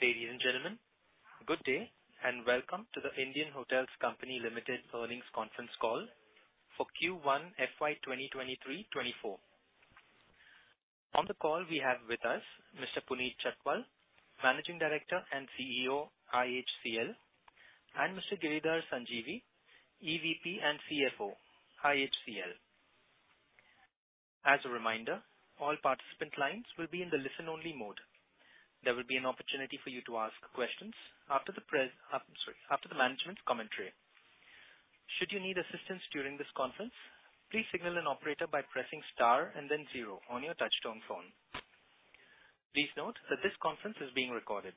Ladies and gentlemen, good day, and welcome to The Indian Hotels Company Limited earnings conference call for Q1 FY 2023-2024. On the call we have with us Mr. Puneet Chhatwal, Managing Director and CEO, IHCL, and Mr. Giridhar Sanjeevi, EVP and CFO, IHCL. As a reminder, all participant lines will be in the listen-only mode. There will be an opportunity for you to ask questions after the management commentary. Should you need assistance during this conference, please signal an operator by pressing star and then 0 on your touchtone phone. Please note that this conference is being recorded.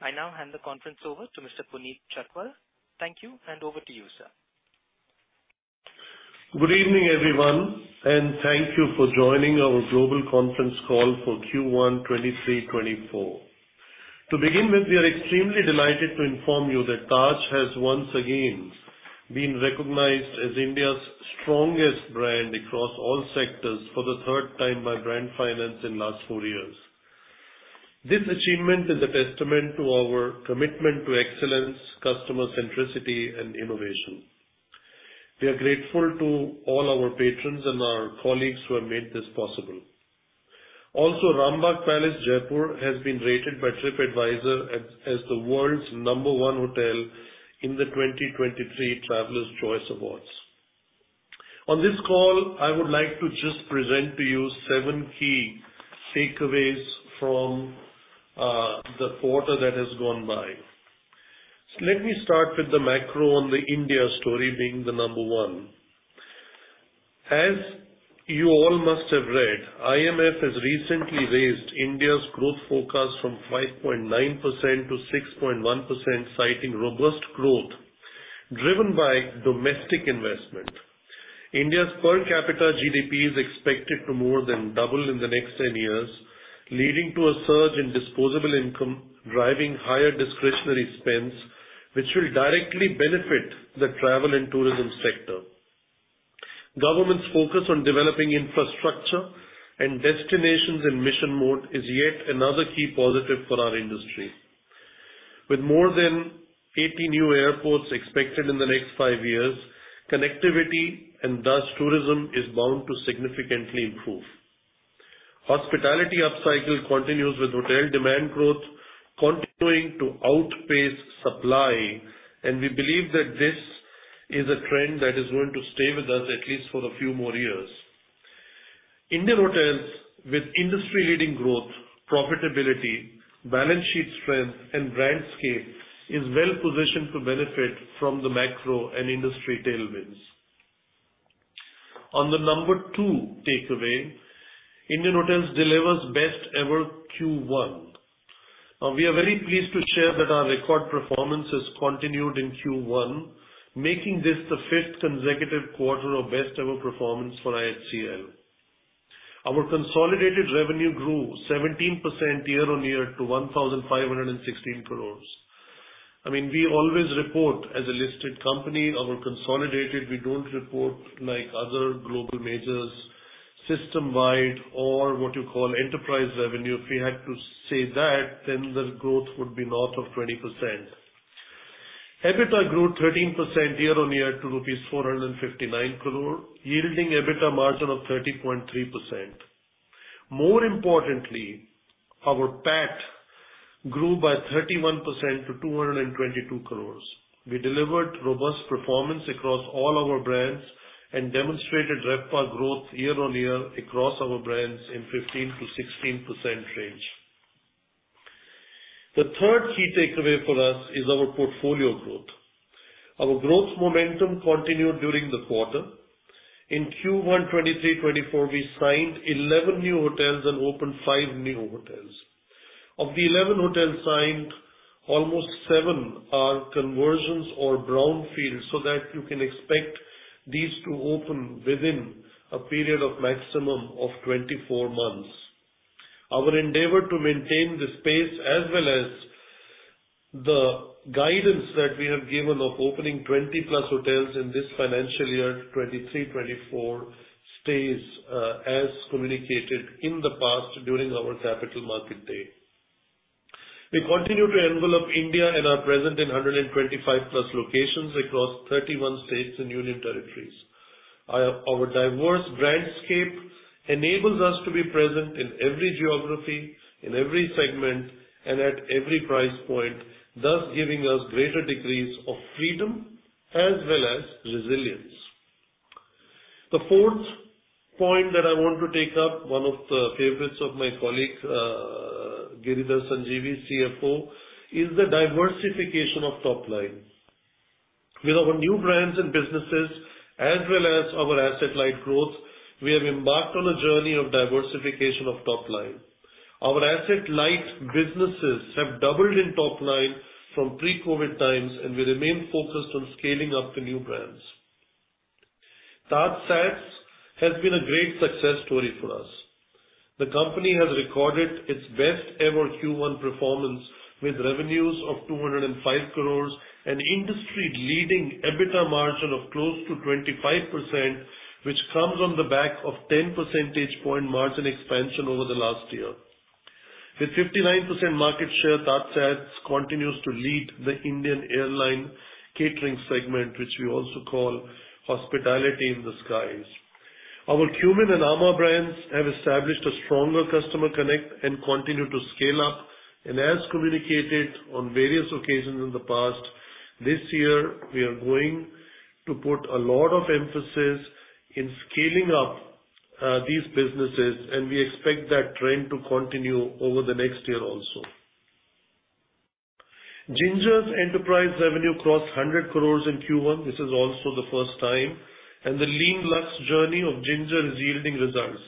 I now hand the conference over to Mr. Puneet Chhatwal. Thank you, and over to you, sir. Good evening, everyone, thank you for joining our global conference call for Q1 2023, 2024. To begin with, we are extremely delighted to inform you that Taj has once again been recognized as India's strongest brand across all sectors for the third time by Brand Finance in last four years. This achievement is a testament to our commitment to excellence, customer centricity, and innovation. We are grateful to all our patrons and our colleagues who have made this possible. Also, Rambagh Palace, Jaipur, has been rated by Tripadvisor as the world's number one hotel in the 2023 Travelers' Choice Awards. On this call, I would like to just present to you seven key takeaways from the quarter that has gone by. Let me start with the macro on the India story being the number one. As you all must have read, IMF has recently raised India's growth forecast from 5.9%-6.1%, citing robust growth, driven by domestic investment. India's per capita GDP is expected to more than double in the next 10 years, leading to a surge in disposable income, driving higher discretionary spends, which will directly benefit the travel and tourism sector. Government's focus on developing infrastructure and destinations in mission mode is yet another key positive for our industry. With more than 80 new airports expected in the next five years, connectivity and thus tourism is bound to significantly improve. Hospitality upcycle continues, with hotel demand growth continuing to outpace supply. We believe that this is a trend that is going to stay with us at least for a few more years. Indian Hotels, with industry-leading growth, profitability, balance sheet strength, and brandscape, is well positioned to benefit from the macro and industry tailwinds. On the number two takeaway, Indian Hotels delivers best-ever Q1. We are very pleased to share that our record performance has continued in Q1, making this the fifth consecutive quarter of best-ever performance for IHCL. Our consolidated revenue grew 17% year-on-year to 1,516 crore. I mean, we always report as a listed company, our consolidated. We don't report like other global majors, system-wide or what you call enterprise revenue. If we had to say that, then the growth would be north of 20%. EBITDA grew 13% year-on-year to 459 crore rupees, yielding EBITDA margin of 30.3%. More importantly, our PAT grew by 31% to 222 crore. We delivered robust performance across all our brands and demonstrated RevPAR growth year-on-year across our brands in 15%-16% range. The third key takeaway for us is our portfolio growth. Our growth momentum continued during the quarter. In Q1 2023, 2024, we signed 11 new hotels and opened 5 new hotels. Of the 11 hotels signed, almost seven are conversions or brownfields, so that you can expect these to open within a period of maximum of 24 months. Our endeavor to maintain this pace, as well as the guidance that we have given of opening 20+ hotels in this financial year, 2023, 2024, stays as communicated in the past during our capital market day. We continue to envelop India and are present in 125+ locations across 31 states and union territories. Our diverse brandscape enables us to be present in every geography, in every segment, and at every price point, thus giving us greater degrees of freedom as well as resilience. The fourth point that I want to take up, one of the favorites of my colleague, Giridhar Sanjeevi, CFO, is the diversification of top line. With our new brands and businesses, as well as our asset-light growth, we have embarked on a journey of diversification of top line. Our asset-light businesses have doubled in top line from pre-COVID times, and we remain focused on scaling up the new brands. TajSATS has been a great success story for us. The company has recorded its best-ever Q1 performance, with revenues of 205 crores and industry-leading EBITDA margin of close to 25%, which comes on the back of 10 percentage point margin expansion over the last year. With 59% market share, TajSATS continues to lead the Indian airline catering segment, which we also call Hospitality in the Skies. Our Qmin and Ama brands have established a stronger customer connect and continue to scale up. As communicated on various occasions in the past, this year we are going to put a lot of emphasis in scaling up these businesses, and we expect that trend to continue over the next year also. Ginger's enterprise revenue crossed 100 crores in Q1, this is also the first time, and the lean luxe journey of Ginger is yielding results.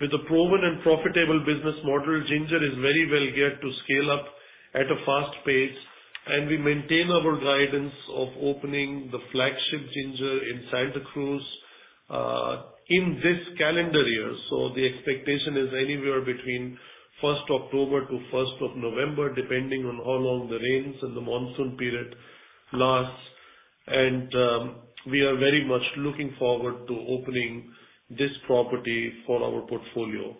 With a proven and profitable business model, Ginger is very well geared to scale up at a fast pace. We maintain our guidance of opening the flagship Ginger in Santa Cruz, in this calendar year. The expectation is anywhere between 1st October-1st of November, depending on how long the rains and the monsoon period lasts, and we are very much looking forward to opening this property for our portfolio.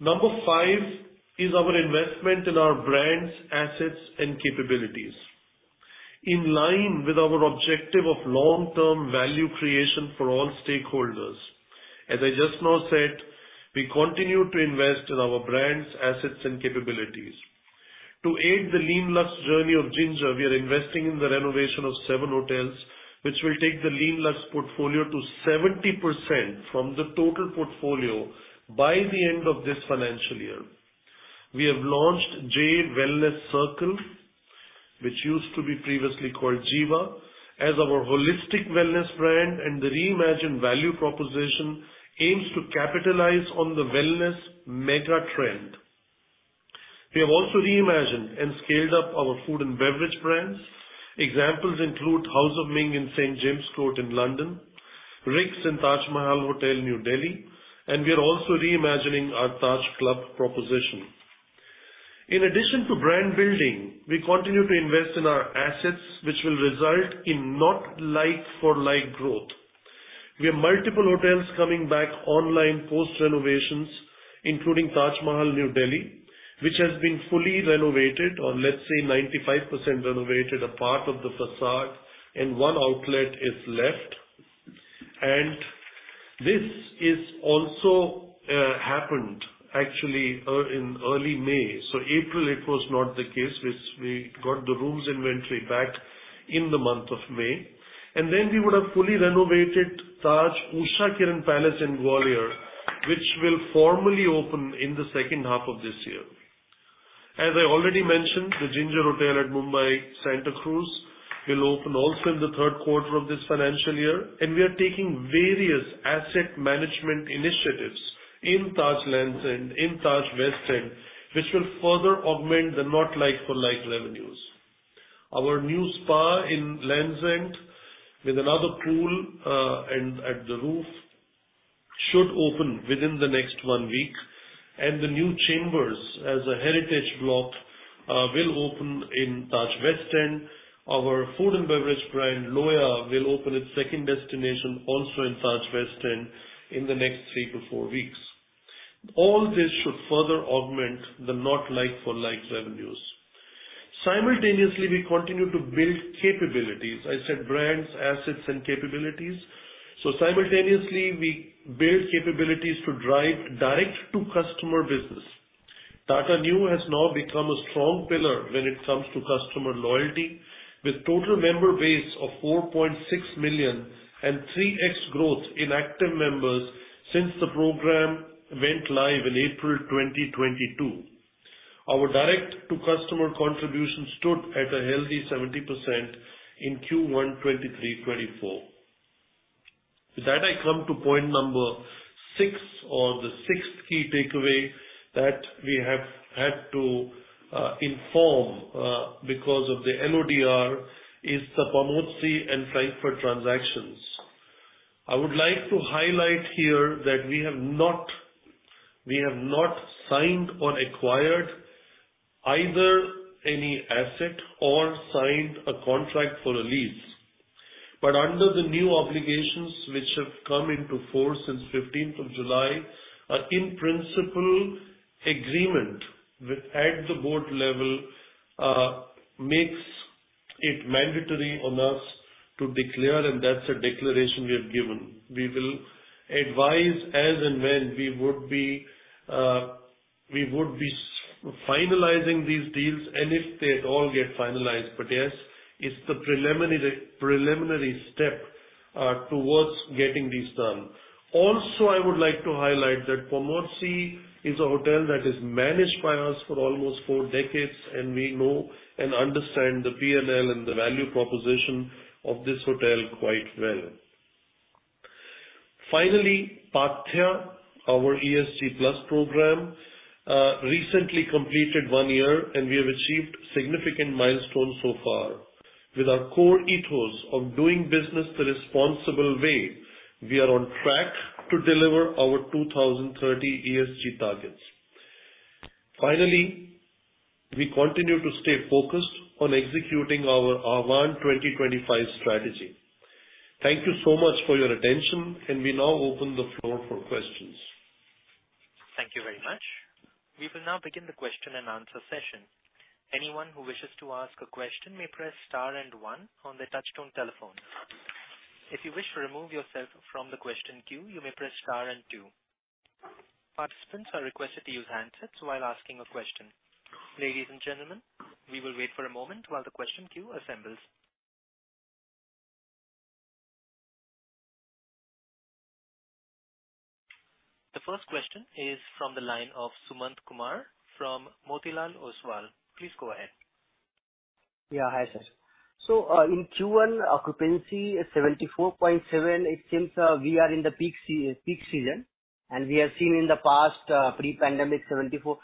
Number five is our investment in our brands, assets, and capabilities. In line with our objective of long-term value creation for all stakeholders, as I just now said, we continue to invest in our brands, assets and capabilities. To aid the Lean Luxe journey of Ginger, we are investing in the renovation of seven hotels, which will take the Lean Luxe portfolio to 70% from the total portfolio by the end of this financial year. We have launched J Wellness Circle, which used to be previously called Jiva, as our holistic wellness brand. The reimagined value proposition aims to capitalize on the wellness mega trend. We have also reimagined and scaled up our food and beverage brands. Examples include House of Ming in St. James Court in London, Rick's in Taj Mahal Hotel, New Delhi. We are also reimagining our Taj Club proposition. In addition to brand building, we continue to invest in our assets, which will result in not like-for-like growth. We have multiple hotels coming back online post renovations, including Taj Mahal, New Delhi, which has been fully renovated or let's say, 95% renovated, a part of the facade and one outlet is left. This is also happened actually in early May. April, it was not the case, which we got the rooms inventory back in the month of May. We would have fully renovated Taj Usha Kiran Palace in Gwalior, which will formally open in the second half of this year. As I already mentioned, the Ginger Hotel at Mumbai, Santa Cruz, will open also in the third quarter of this financial year, and we are taking various asset management initiatives in Taj Lands End, in Taj West End, which will further augment the not like-for-like revenues. Our new spa in Lands End, with another pool, and at the roof, should open within the next one week, and the new The Chambers as a heritage block, will open in Taj West End. Our food and beverage brand, Loya, will open its second destination also in Taj West End in the next 3-4 weeks. All this should further augment the not like-for-like revenues. Simultaneously, we continue to build capabilities. I said brands, assets, and capabilities. Simultaneously, we build capabilities to drive direct-to-customer business. Tata Neu has now become a strong pillar when it comes to customer loyalty, with total member base of 4.6 million and 3x growth in active members since the program went live in April 2022. Our direct-to-customer contribution stood at a healthy 70% in Q1 2023-2024. I come to point six, or the sixth key takeaway that we have had to inform because of the LODR, is the Pamodzi and Frankfurt transactions. I would like to highlight here that we have not signed or acquired either any asset or signed a contract for a lease. Under the new obligations, which have come into force since 15th of July, a in-principle agreement with at the board level makes it mandatory on us to declare, and that's a declaration we have given. We will advise as and when we would be finalizing these deals and if they at all get finalized. Yes, it's the preliminary step towards getting this done. I would like to highlight that Pamodzi is a hotel that is managed by us for almost four decades, and we know and understand the P&L and the value proposition of this hotel quite well. Paathya, our ESG plus program, recently completed one year, and we have achieved significant milestones so far. With our core ethos of doing business the responsible way, we are on track to deliver our 2030 ESG targets. We continue to stay focused on executing our R1 2025 strategy. Thank you so much for your attention, and we now open the floor for questions. Thank you very much. We will now begin the question and answer session. Anyone who wishes to ask a question may press star and one on their touchtone telephone. If you wish to remove yourself from the question queue, you may press star and two. Participants are requested to use handsets while asking a question. Ladies and gentlemen, we will wait for a moment while the question queue assembles. The first question is from the line of Sumanth Kumar from Motilal Oswal. Please go ahead. Yeah. Hi, sir. In Q1, occupancy is 74.7%, it seems, we are in the peak season, and we have seen in the past, pre-pandemic, 74-75%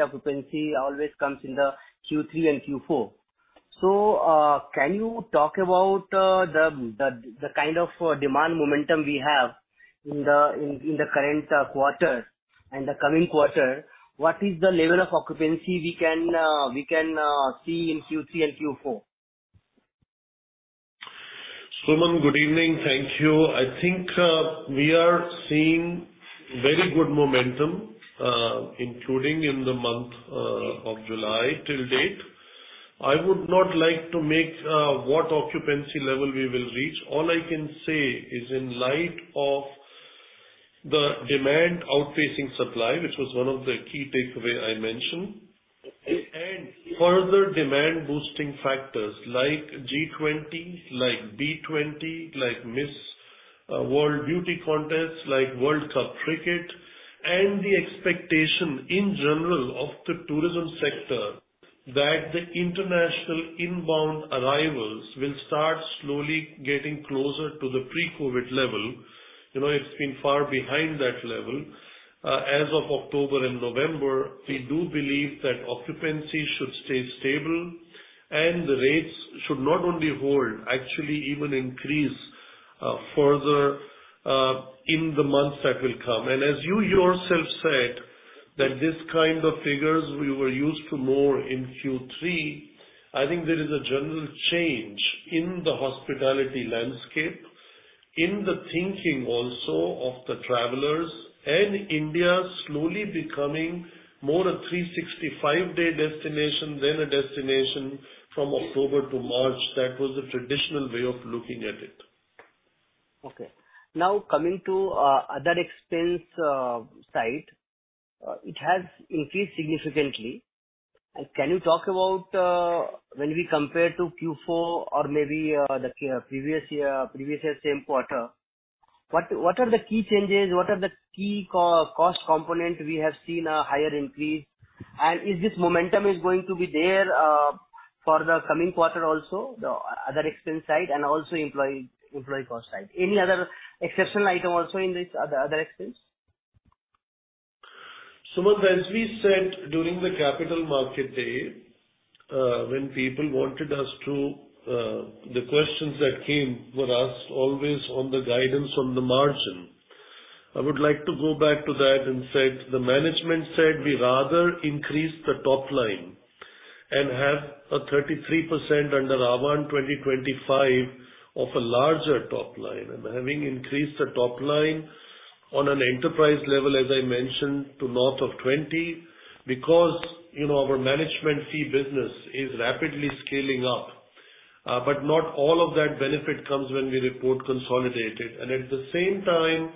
occupancy always comes in the Q3 and Q4. Can you talk about the kind of demand momentum we have in the current quarter and the coming quarter? What is the level of occupancy we can see in Q3 and Q4? Suman, good evening. Thank you. I think we are seeing very good momentum, including in the month of July till date. I would not like to make what occupancy level we will reach. All I can say is in light of the demand outpacing supply, which was one of the key takeaway I mentioned, and further demand boosting factors like G20, like B20, like Miss World Beauty contests, like Cricket World Cup, and the expectation in general of the tourism sector, that the international inbound arrivals will start slowly getting closer to the pre-COVID level. You know, it's been far behind that level. As of October and November, we do believe that occupancy should stay stable, and the rates should not only hold, actually even increase further in the months that will come. As you yourself said, that this kind of figures we were used to more in Q3, I think there is a general change in the hospitality landscape, in the thinking also of the travelers, and India slowly becoming more a 365-day destination than a destination from October to March. That was the traditional way of looking at it. Okay. Now, coming to other expense side, it has increased significantly. Can you talk about when we compare to Q4 or maybe the previous year same quarter, what are the key changes? What are the key cost component we have seen a higher increase? Is this momentum is going to be there for the coming quarter also, the other expense side and also employee cost side? Any other exceptional item also in this other expense? Suman, as we said during the capital market day, when people wanted us to, the questions that came were asked always on the guidance on the margin. I would like to go back to that and said, the management said we rather increase the top line and have a 33% under Ahvaan 2025 of a larger top line, and having increased the top line on an enterprise level, as I mentioned, to north of 20, because, you know, our management fee business is rapidly scaling up, but not all of that benefit comes when we report consolidated. At the same time,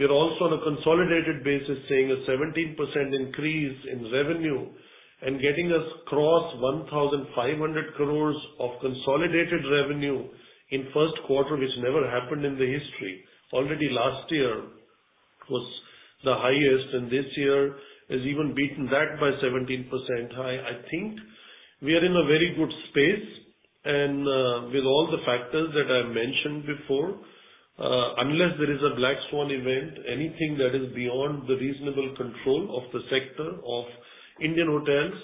we are also on a consolidated basis, seeing a 17% increase in revenue and getting us cross 1,500 crores of consolidated revenue in first quarter, which never happened in the history. Already last year was the highest. This year has even beaten that by 17%. I think we are in a very good space and, with all the factors that I mentioned before, unless there is a black swan event, anything that is beyond the reasonable control of the sector of Indian hotels,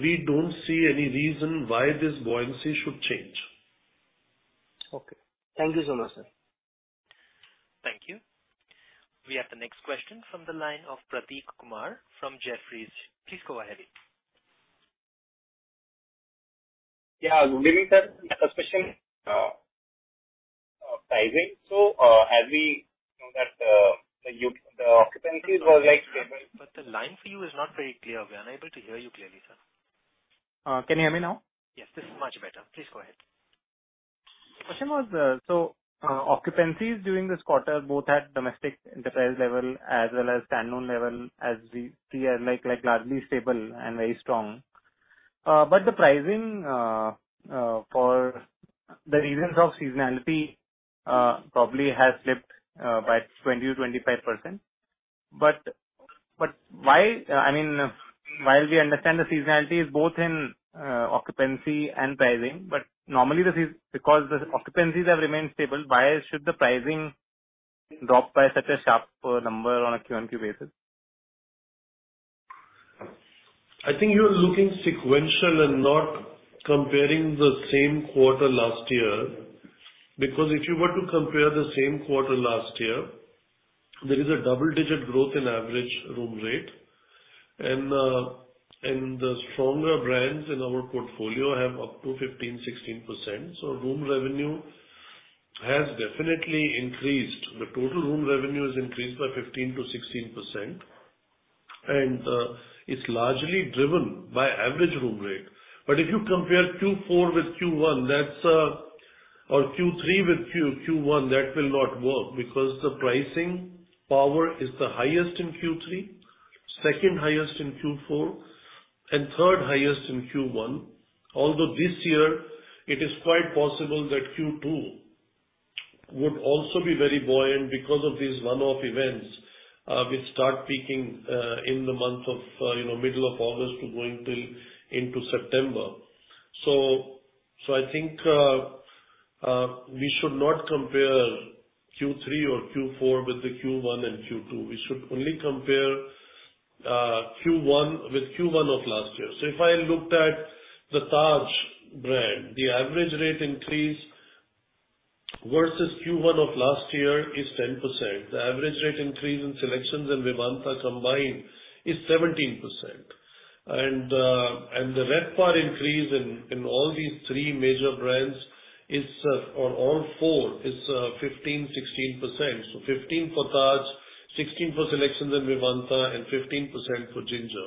we don't see any reason why this buoyancy should change. Okay. Thank you so much, sir. Thank you. We have the next question from the line of Prateek Kumar from Jefferies. Please go ahead. Yeah. Good evening, sir. The first question, pricing. As we know that the occupancy was like stable-. The line for you is not very clear. We are unable to hear you clearly, sir. Can you hear me now? Yes, this is much better. Please go ahead. Question was, occupancies during this quarter, both at domestic enterprise level as well as standalone level, as we see, are like, largely stable and very strong. The pricing, for the reasons of seasonality, probably has slipped by 20%-25%. Why? I mean, while we understand the seasonality is both in occupancy and pricing, but normally this is because the occupancies have remained stable, why should the pricing drop by such a sharp number on a Q&Q basis? I think you are looking sequential and not comparing the same quarter last year. If you were to compare the same quarter last year, there is a double-digit growth in average room rate. The stronger brands in our portfolio have up to 15%, 16%. Room revenue has definitely increased. The total room revenue has increased by 15%-16%, and it's largely driven by average room rate. If you compare Q4 with Q1, that's or Q3 with Q1, that will not work because the pricing power is the highest in Q3, second highest in Q4, and third highest in Q1. Although this year it is quite possible that Q2 would also be very buoyant because of these one-off events, which start peaking in the month of, you know, middle of August to going till into September. I think we should not compare Q3 or Q4 with the Q1 and Q2. We should only compare Q1 with Q1 of last year. If I looked at the Taj, the average rate increase versus Q1 of last year is 10%. The average rate increase in SeleQtions and Vivanta combined is 17%. The RevPAR increase in all these three major brands is or all four, is 15%-16%. 15% for Taj, 16% for SeleQtions and Vivanta, and 15% for Ginger.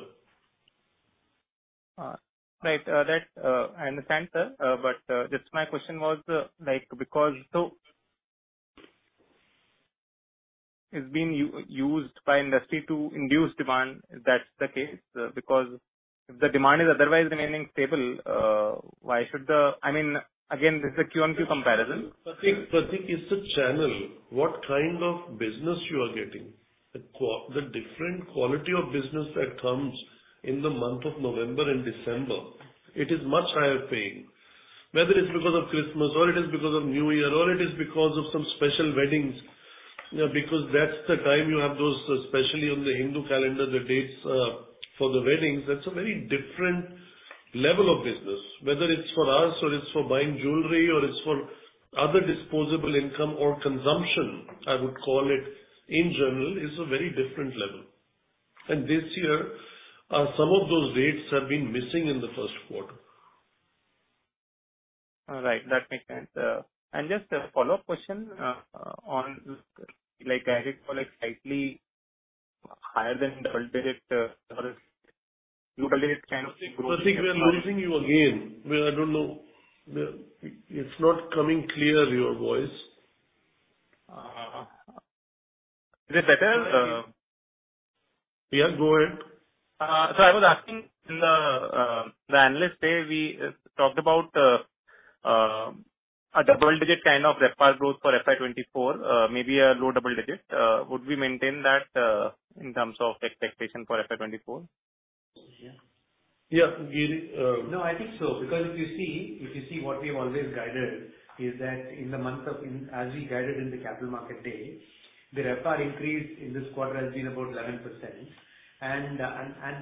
Right. That, I understand, sir, but, just my question was, like, because so it's being used by industry to induce demand, if that's the case? If the demand is otherwise remaining stable, why should the... I mean, again, this is a Q-on-Q comparison. Prateek, it's the channel. What kind of business you are getting? The different quality of business that comes in the month of November and December, it is much higher paying, whether it's because of Christmas, or it is because of New Year, or it is because of some special weddings. Because that's the time you have those, especially on the Hindu calendar, the dates for the weddings. That's a very different level of business, whether it's for us or it's for buying jewelry or it's for other disposable income or consumption, I would call it, in general, is a very different level. This year, some of those dates have been missing in the first quarter. All right. That makes sense. Just a follow-up question on like, as you call it, slightly higher than double digit, or double digit kind of growth- Prateek, we are losing you again. Well, I don't know. It's not coming clear, your voice. Is it better? Yeah, go ahead. I was asking in the analyst day, we talked about a double-digit kind of RevPAR growth for FY 2024, maybe a low double-digit. Would we maintain that in terms of expectation for FY 2024? Yeah. Yeah, Girish. No, I think so, because if you see what we have always guided, is that in the month of as we guided in the capital market day, the RevPAR increase in this quarter has been about 11%.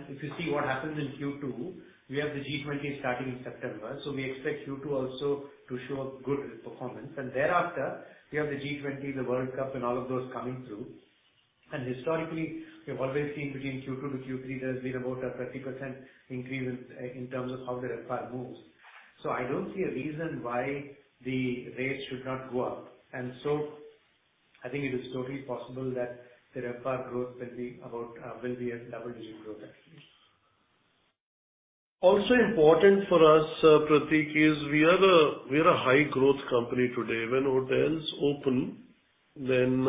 If you see what happens in Q2, we have the G20 starting in September, so we expect Q2 also to show good performance. Thereafter, we have the G20, the World Cup and all of those coming through. Historically, we've always seen between Q2 to Q3, there's been about a 30% increase in terms of how the RevPAR moves. I don't see a reason why the rates should not go up. I think it is totally possible that the RevPAR growth will be about, will be a double-digit growth actually. Also important for us, Prateek, is we are a high growth company today. When hotels open, then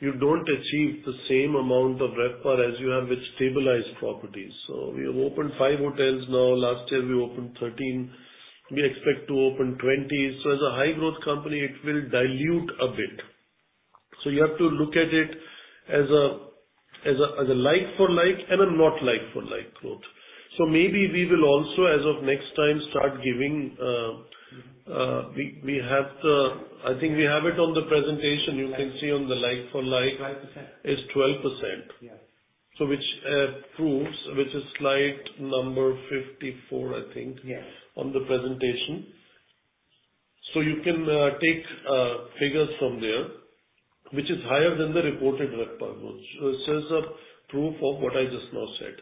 you don't achieve the same amount of RevPAR as you have with stabilized properties. We have opened five hotels now. Last year, we opened 13. We expect to open 20. As a high growth company, it will dilute a bit. You have to look at it as a like for like, and a not like for like growth. Maybe we will also, as of next time, start giving. I think we have it on the presentation. You can see on the like for like. 12%. is 12%. Yeah. Which proves, which is slide number 54, I think. Yes. on the presentation. You can take figures from there, which is higher than the reported RevPAR growth. It serves as proof of what I just now said.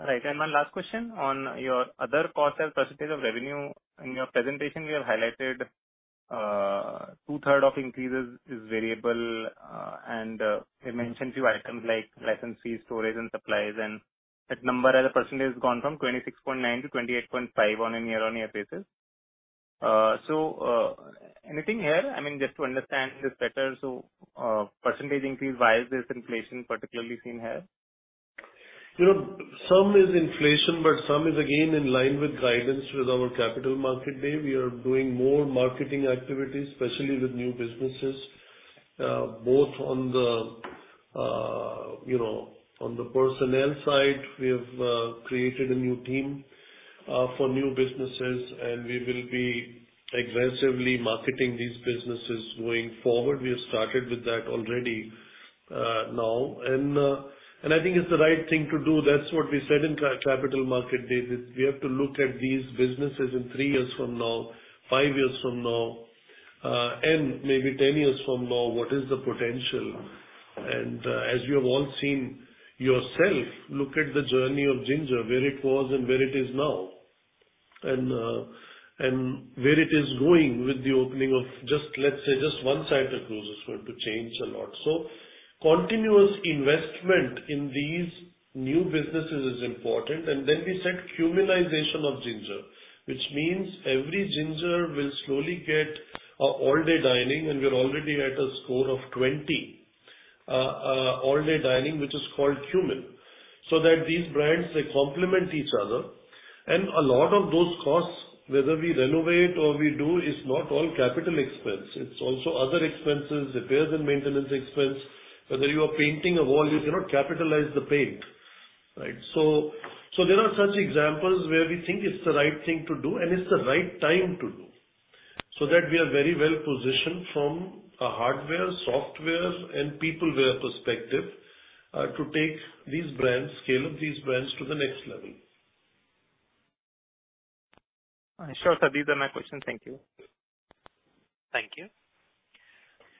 All right. My last question on your other costs as a percentage of revenue. In your presentation, you have highlighted, two-third of increases is variable, and, you mentioned few items like licenses, storage, and supplies, and that number as a percentage has gone from 26.9%-28.5% on a year-on-year basis. Anything here? I mean, just to understand this better, percentage increase, why is this inflation particularly seen here? You know, some is inflation, but some is again in line with guidance with our Capital Market Day. We are doing more marketing activities, especially with new businesses, both on the, you know, on the personnel side, we have created a new team for new businesses, and we will be aggressively marketing these businesses going forward. We have started with that already. Now, I think it's the right thing to do. That's what we said in Capital Market Day, is we have to look at these businesses in three years from now, five years from now, and maybe 10 years from now, what is the potential? As you have all seen yourself, look at the journey of Ginger, where it was and where it is now, and where it is going with the opening of just, let's say, just one set of cruises going to change a lot. Continuous investment in these new businesses is important. Then we said humanization of Ginger, which means every Ginger will slowly get all-day dining, and we're already at a score of 20 all-day dining, which is called human. That these brands, they complement each other. A lot of those costs, whether we renovate or we do, is not all capital expense, it's also other expenses, repairs and maintenance expense. Whether you are painting a wall, you cannot capitalize the paint, right? There are such examples where we think it's the right thing to do and it's the right time to do, so that we are very well positioned from a hardware, software, and people wear perspective, to take these brands, scale up these brands to the next level. Sure, sir. These are my questions. Thank you. Thank you.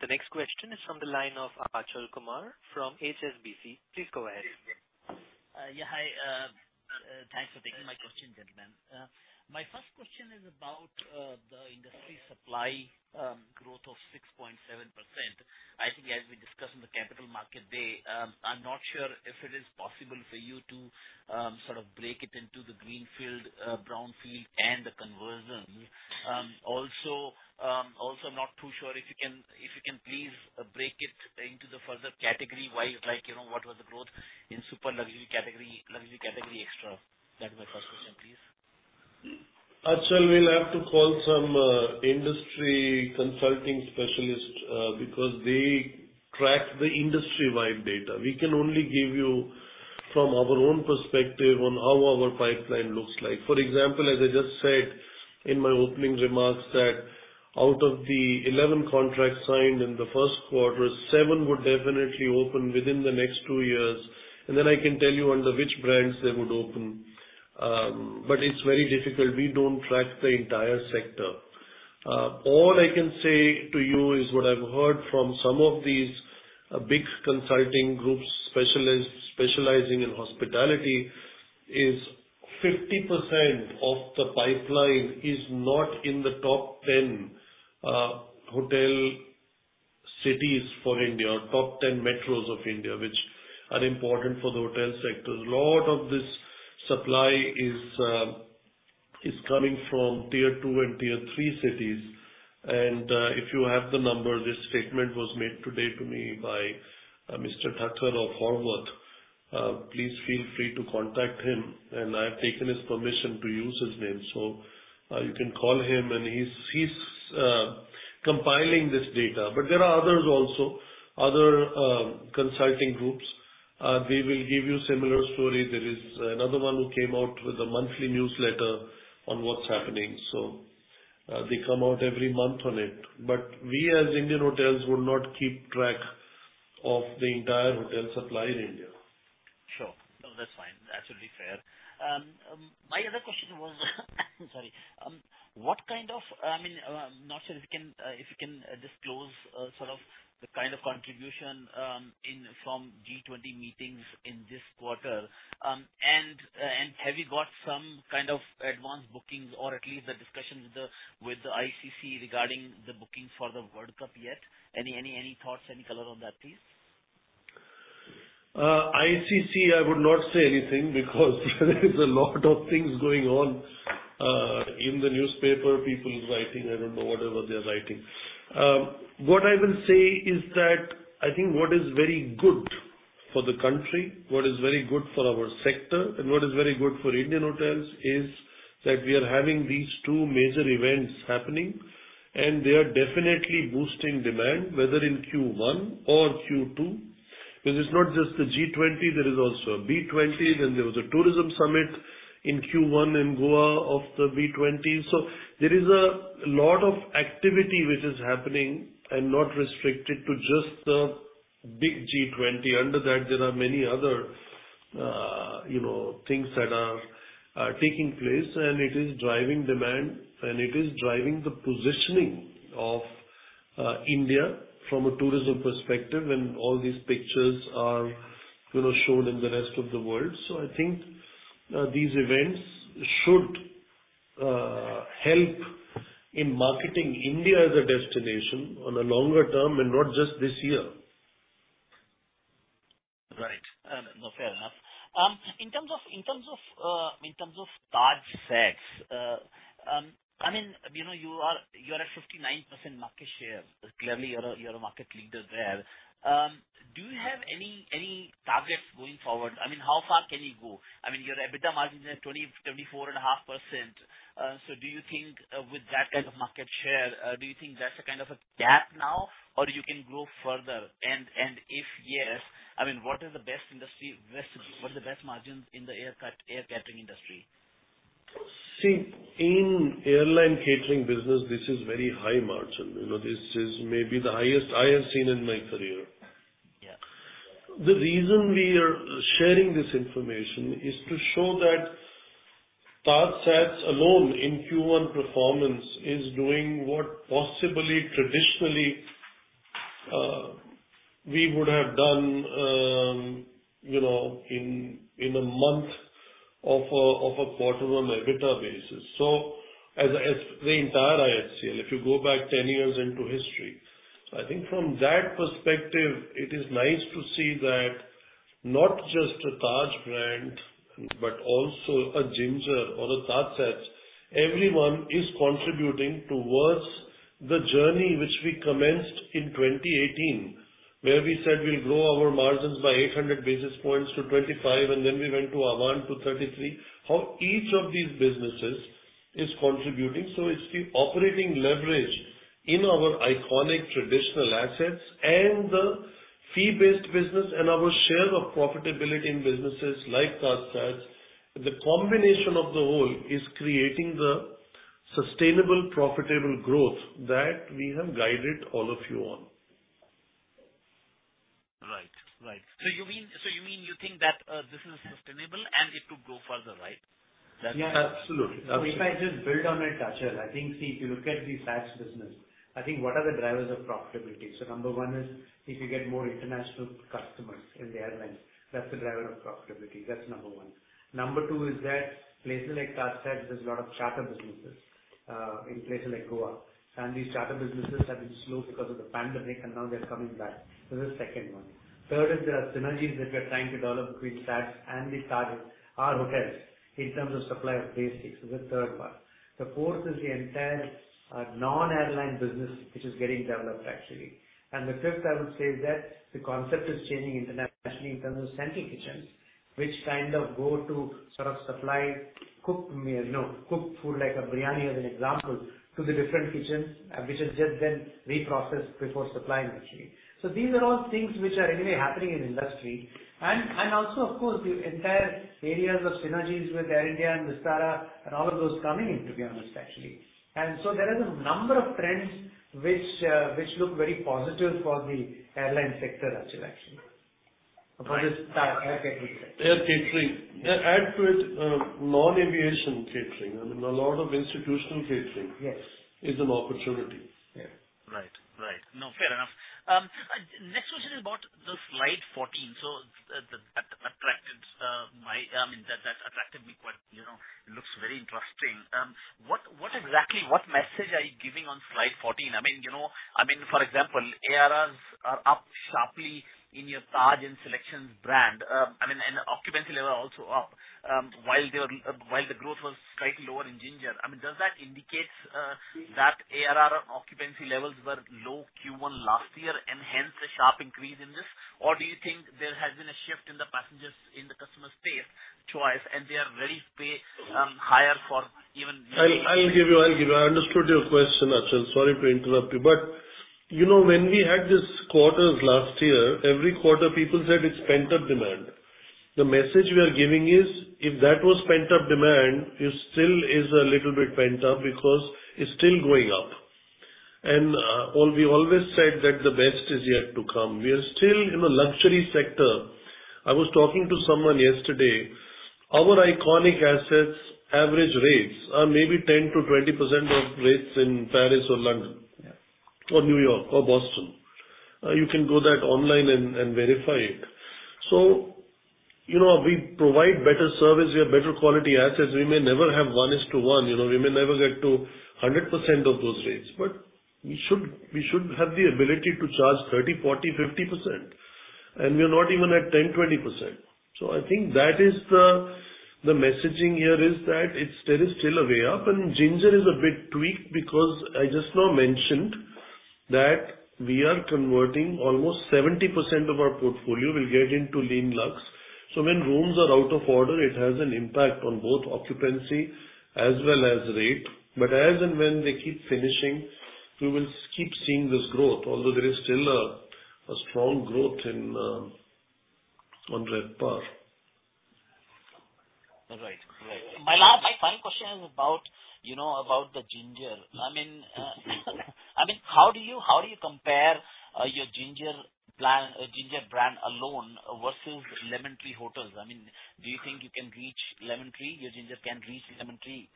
The next question is from the line of Achal Kumar from HSBC. Please go ahead. Yeah, hi. Thanks for taking my question, gentlemen. My first question is about the industry supply growth of 6.7%. I think as we discussed on the Capital Market Day, I'm not sure if it is possible for you to sort of break it into the greenfield, brownfield and the conversion. Also, I'm not too sure if you can please break it into the further category, why, like, you know, what was the growth in super luxury category, luxury category extra? That's my first question, please. Achal, we'll have to call some industry consulting specialists, because they track the industry-wide data. We can only give you from our own perspective on how our pipeline looks like. For example, as I just said in my opening remarks, that out of the 11 contracts signed in the first quarter, seven would definitely open within the next two years. Then I can tell you under which brands they would open. It's very difficult. We don't track the entire sector. All I can say to you is what I've heard from some of these big consulting groups, specialists specializing in hospitality, is 50% of the pipeline is not in the top 10 hotel cities for India, or top 10 metros of India, which are important for the hotel sector. A lot of this supply is coming from Tier 2 and Tier 3 cities. If you have the number, this statement was made today to me by Mr. Thacker of Horwath. Please feel free to contact him, and I have taken his permission to use his name, so you can call him, and he's compiling this data. There are others also, other consulting groups. They will give you similar story. There is another one who came out with a monthly newsletter on what's happening, so they come out every month on it. We, as Indian Hotels, will not keep track of the entire hotel supply in India. Sure. No, that's fine. That's totally fair. My other question was, sorry. I mean, not sure if you can disclose sort of the kind of contribution in from G20 meetings in this quarter. Have you got some kind of advanced bookings or at least the discussions with the ICC regarding the bookings for the World Cup yet? Any thoughts, any color on that, please? ICC, I would not say anything because there is a lot of things going on, in the newspaper, people writing, I don't know whatever they're writing. What I will say is that I think what is very good for the country, what is very good for our sector, and what is very good for Indian hotels, is that we are having these two major events happening, and they are definitely boosting demand, whether in Q1 or Q2. It's not just the G20, there is also a B20, then there was a tourism summit in Q1 in Goa of the B20. There is a lot of activity which is happening and not restricted to just the big G20. Under that, there are many other, you know, things that are taking place, and it is driving demand, and it is driving the positioning of India from a tourism perspective, and all these pictures are, you know, shown in the rest of the world. I think these events should help in marketing India as a destination on a longer term and not just this year. Right. No, fair enough. In terms of TajSATS, I mean, you know, you are at 59% market share. Clearly, you're a market leader there. Do you have any targets going forward? I mean, how far can you go? I mean, your EBITDA margins are 24.5%. So do you think with that kind of market share, do you think that's a kind of a cap now, or you can grow further? If yes, I mean, what is the best industry, what are the best margins in the air catering industry? In airline catering business, this is very high margin. You know, this is maybe the highest I have seen in my career. Yeah. The reason we are sharing this information is to show that TajSATS alone in Q1 performance is doing what possibly traditionally, we would have done, you know, in, in a month of a, of a quarter on EBITDA basis. As the entire IHCL, if you go back 10 years into history, I think from that perspective, it is nice to see that not just a Taj brand, but also a Ginger or a TajSATS, everyone is contributing towards the journey which we commenced in 2018, where we said we'll grow our margins by 800 basis points to 25, and then we went to Ahvaan to 33. How each of these businesses is contributing. It's the operating leverage in our iconic traditional assets and the fee-based business and our share of profitability in businesses like TajSATS. The combination of the whole is creating the sustainable, profitable growth that we have guided all of you on. Right. You mean you think that this is sustainable and it could go further, right? Yeah, absolutely. If I just build on it, Achal, I think, see, if you look at the Sats business, I think what are the drivers of profitability? Number one is if you get more international customers in the airlines, that's the driver of profitability. That's number one. Number two is that places like TajSats, there's a lot of charter businesses in places like Goa, and these charter businesses have been slow because of the pandemic, and now they're coming back. The second one. Third is there are synergies that we are trying to develop between Sats and the Taj, our hotels, in terms of supply of basics, is the third one. The fourth is the entire non-airline business, which is getting developed, actually. The fifth, I would say, is that the concept is changing internationally in terms of center kitchens, which kind of go to sort of supply, cook meal, you know, cook food like a biryani, as an example, to the different kitchens, which is just then reprocessed before supplying, actually. These are all things which are really happening in industry. Also, of course, the entire areas of synergies with Air India and Vistara and all of those coming in, to be honest, actually. There is a number of trends which look very positive for the airline sector as well, actually. For this air catering sector. Air catering. Add to it, non-aviation catering. I mean, a lot of institutional catering. Yes. is an opportunity. Yeah. Right. Right. No, fair enough. Next question is about the slide 14. That attracted, I mean, that attracted me quite, you know, it looks very interesting. What exactly, what message are you giving on slide 14? I mean, you know, I mean, for example, ARRs are up sharply in your Taj and SeleQtions brand. I mean, occupancy level are also up, while the growth was slightly lower in Ginger. I mean, does that indicates that ARR occupancy levels were low Q1 last year and hence the sharp increase in this? Or do you think there has been a shift in the passengers, in the customer space twice, and they are very pay higher for I understood your question, Achal. Sorry to interrupt you, you know, when we had this quarter last year, every quarter people said it's pent-up demand. The message we are giving is, if that was pent-up demand, it still is a little bit pent-up because it's still going up. We always said that the best is yet to come. We are still in the luxury sector. I was talking to someone yesterday. Our iconic assets' average rates are maybe 10%-20% of rates in Paris or London. Yeah. or New York or Boston. You can go that online and verify it. You know, we provide better service, we have better quality assets. We may never have one is to one, you know, we may never get to 100% of those rates, but we should have the ability to charge 30%, 40%, 50%, and we are not even at 10%, 20%. I think that is the messaging here is that it's still a way up. Ginger is a bit tweaked because I just now mentioned that we are converting almost 70% of our portfolio, will get into lean luxe. When rooms are out of order, it has an impact on both occupancy as well as rate. As and when they keep finishing, we will keep seeing this growth. There is still a strong growth on RevPAR. Right. My last, my final question is about, you know, about the Ginger. I mean, how do you compare, your Ginger brand alone versus Lemon Tree Hotels? I mean, do you think you can reach Lemon Tree, your Ginger can reach Lemon Tree?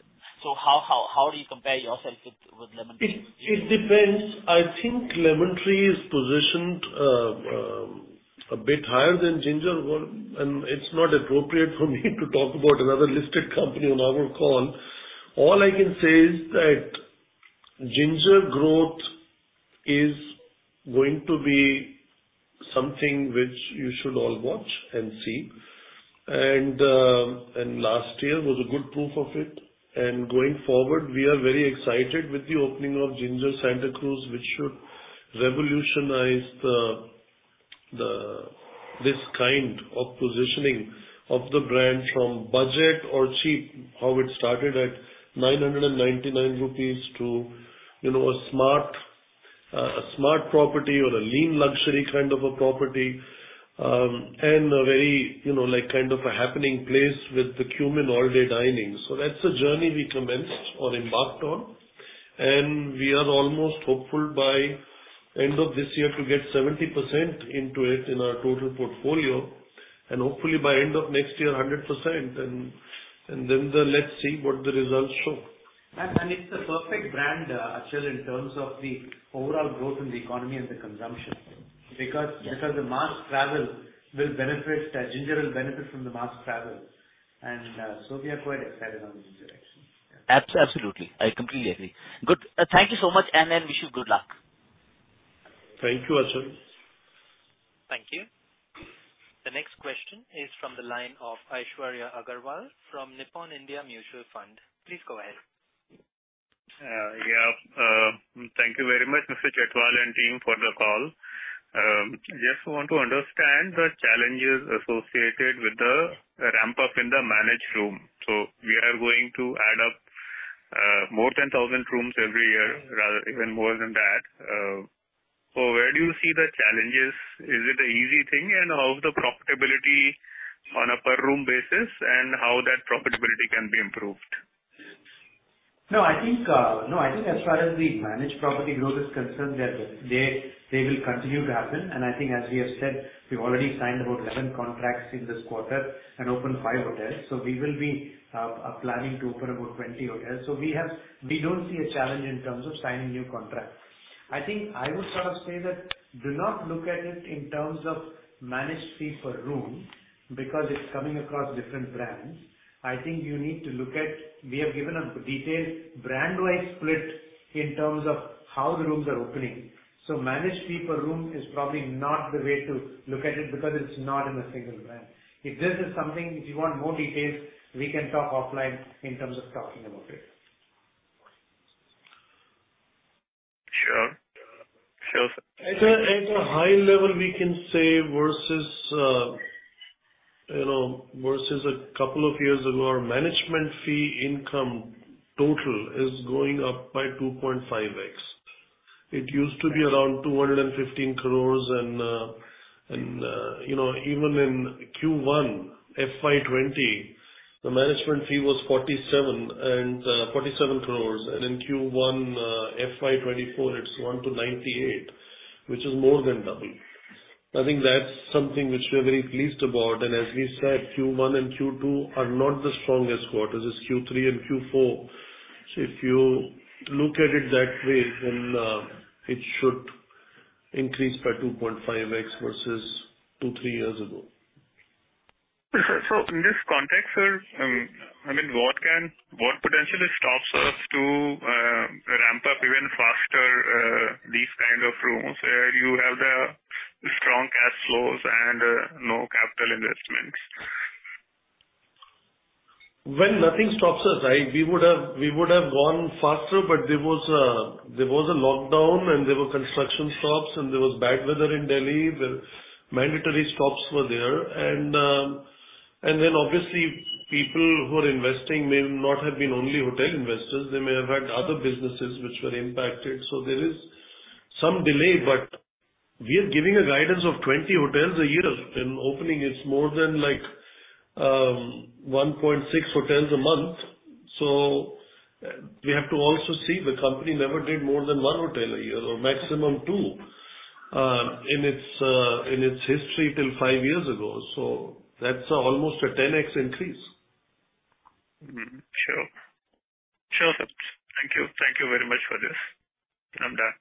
How do you compare yourself with Lemon Tree? It depends. I think Lemon Tree is positioned a bit higher than Ginger, well, it's not appropriate for me to talk about another listed company on our call. All I can say is that Ginger growth is going to be something which you should all watch and see. Last year was a good proof of it. Going forward, we are very excited with the opening of Ginger Santa Cruz, which should revolutionize this kind of positioning of the brand from budget or cheap, how it started at 999 rupees, to, you know, a smart property or a Lean Luxe kind of a property, and a very, you know, like, kind of a happening place with the Qmin all-day dining. That's a journey we commenced or embarked on, and we are almost hopeful by end of this year to get 70% into it in our total portfolio, and hopefully by end of next year, 100%, and then let's see what the results show. It's the perfect brand, actually, in terms of the overall growth in the economy and the consumption. Yes. The mass travel will benefit, Ginger will benefit from the mass travel, and so we are quite excited on this direction. Absolutely. I completely agree. Good. Thank you so much. I wish you good luck. Thank you, Achal. Thank you. The next question is from the line of Aishwarya Agarwal from Nippon India Mutual Fund. Please go ahead. Yeah. Thank you very much, Mr. Chhatwal, and team, for the call. Just want to understand the challenges associated with the ramp-up in the managed room. We are going to add up more than 1,000 rooms every year, rather even more than that. Where do you see the challenges? Is it an easy thing? How is the profitability on a per room basis, and how that profitability can be improved? No, I think as far as the managed property growth is concerned, they will continue to happen. I think, as we have said, we've already signed about 11 contracts in this quarter and opened 5 hotels. We will be planning to open about 20 hotels. We don't see a challenge in terms of signing new contracts. I think I would sort of say that do not look at it in terms of managed fee per room, because it's coming across different brands. I think you need to look at. We have given a detailed brand-wide split in terms of how the rooms are opening. Managed fee per room is probably not the way to look at it, because it's not in a single brand. If this is something if you want more details, we can talk offline in terms of talking about it. Sure. Sir, At a high level, we can say versus, you know, versus a couple of years ago, our management fee income total is going up by 2.5x. It used to be around 215 crores and, you know, even in Q1 FY 2020, the management fee was 47 crores. In Q1 FY 2024, it's 198, which is more than double. I think that's something which we are very pleased about. As we said, Q1 and Q2 are not the strongest quarters, it's Q3 and Q4. If you look at it that way, then, it should increase by 2.5x versus two, three years ago. In this context, sir, I mean, what potentially stops us to ramp up even faster, these kind of rooms, where you have the strong cash flows and no capital investments? Nothing stops us, right? We would have gone faster, but there was a lockdown, and there were construction stops, and there was bad weather in Delhi, where mandatory stops were there. Then obviously, people who are investing may not have been only hotel investors, they may have had other businesses which were impacted. There is some delay, but we are giving a guidance of 20 hotels a year, and opening is more than like 1.6 hotels a month. We have to also see the company never did more than one hotel a year or maximum two in its history till five years ago. That's almost a 10x increase. Sure, sir. Thank you very much for this. I'm done.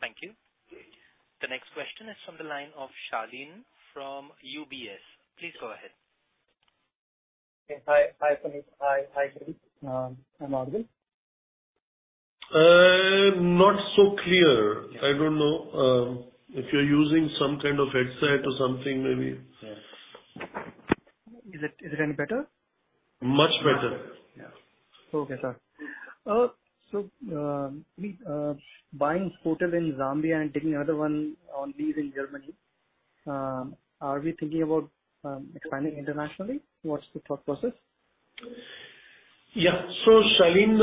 Thank you. The next question is from the line of Shalini from UBS. Please go ahead. Hi, Puneet. Hi, Girish, I'm Shalini. Not so clear. Yeah. I don't know, if you're using some kind of headset or something, maybe. Yes. Is it any better? Much better. Yeah. Okay, sir. Buying hotel in Zambia and taking another one on lease in Germany, are we thinking about expanding internationally? What's the thought process? Shalin,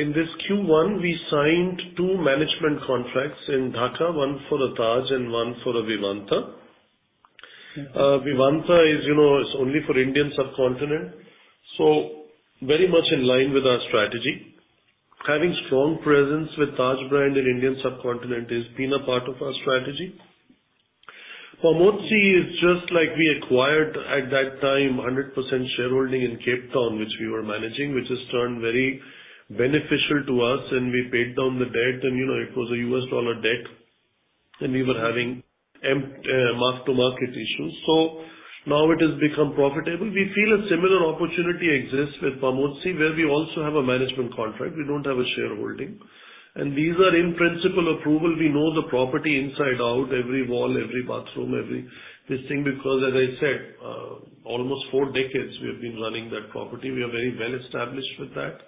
in this Q1, we signed 2 management contracts in Dhaka, one for the Taj and one for Vivanta. Vivanta is, you know, only for Indian subcontinent, very much in line with our strategy. Having strong presence with Taj brand in Indian subcontinent has been a part of our strategy. Pamodzi is just like we acquired at that time, a 100% shareholding in Cape Town, which we were managing, which has turned very beneficial to us, we paid down the debt, you know, it was a U.S. dollar debt, we were having mark to market issues. Now it has become profitable. We feel a similar opportunity exists with Pamodzi, where we also have a management contract. We don't have a shareholding. These are in-principle approval. We know the property inside out, every wall, every bathroom, every this thing, because, as I said, almost four decades, we have been running that property. We are very well established with that.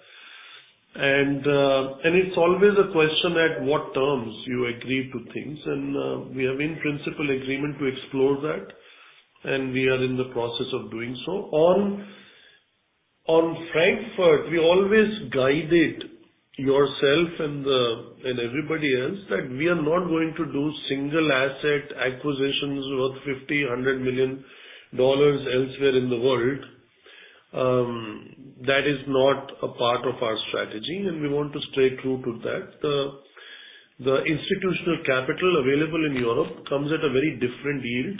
It's always a question at what terms you agree to things, and we are in principle agreement to explore that, and we are in the process of doing so. On Frankfurt, we always guided yourself and the, and everybody else that we are not going to do single asset acquisitions worth $50 million-$100 million elsewhere in the world. That is not a part of our strategy, and we want to stay true to that. The institutional capital available in Europe comes at a very different yield,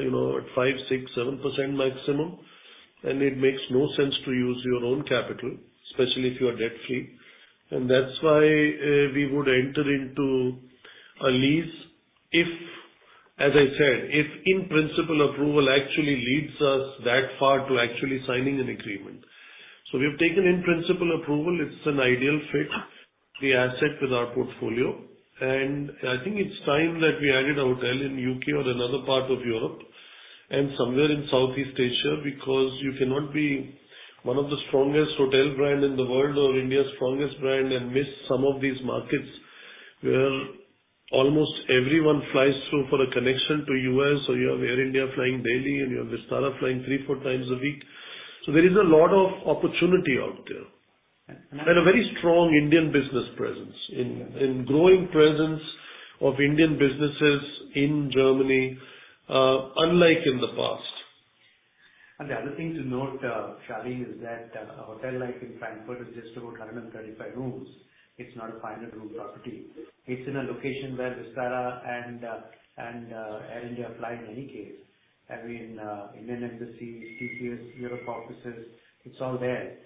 you know, at 5%, 6%, 7% maximum, it makes no sense to use your own capital, especially if you are debt-free. That's why, we would enter into a lease if, as I said, if in-principle approval actually leads us that far to actually signing an agreement. We have taken in-principle approval. It's an ideal fit, the asset with our portfolio, and I think it's time that we added a hotel in U.K. or another part of Europe, and somewhere in Southeast Asia, because you cannot be one of the strongest hotel brand in the world or India's strongest brand, and miss some of these markets, where almost everyone flies through for a connection to U.S. You have Air India flying daily, and you have Vistara flying three, 4x a week. There is a lot of opportunity out there. A very strong Indian business presence, in growing presence of Indian businesses in Germany, unlike in the past. The other thing to note, Shalini, is that a hotel like in Frankfurt is just about 135 rooms. It's not a 500-room property. It's in a location where Vistara and Air India fly in any case. I mean, Indian embassy, TCS, Europe offices, it's all there.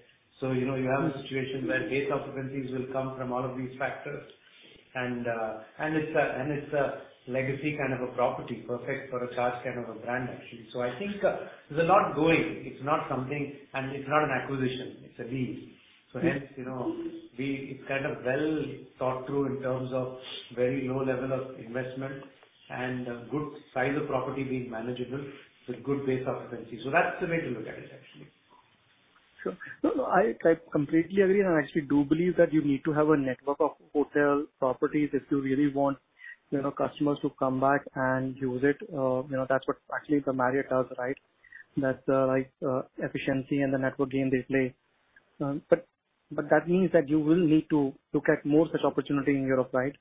You know, you have a situation where gate competencies will come from all of these factors. It's a legacy kind of a property, perfect for a charge kind of a brand, actually. I think they're not going, it's not something. It's not an acquisition, it's a lease. Hence, you know, it's kind of well thought through in terms of very low level of investment and a good size of property being manageable, so good base occupancy. That's the way to look at it, actually. Sure. No, no, I, I completely agree, and I actually do believe that you need to have a network of hotel properties if you really want, you know, customers to come back and use it. You know, that's what actually the Marriott does, right? That's like efficiency and the network game they play. That means that you will need to look at more such opportunity in Europe, right?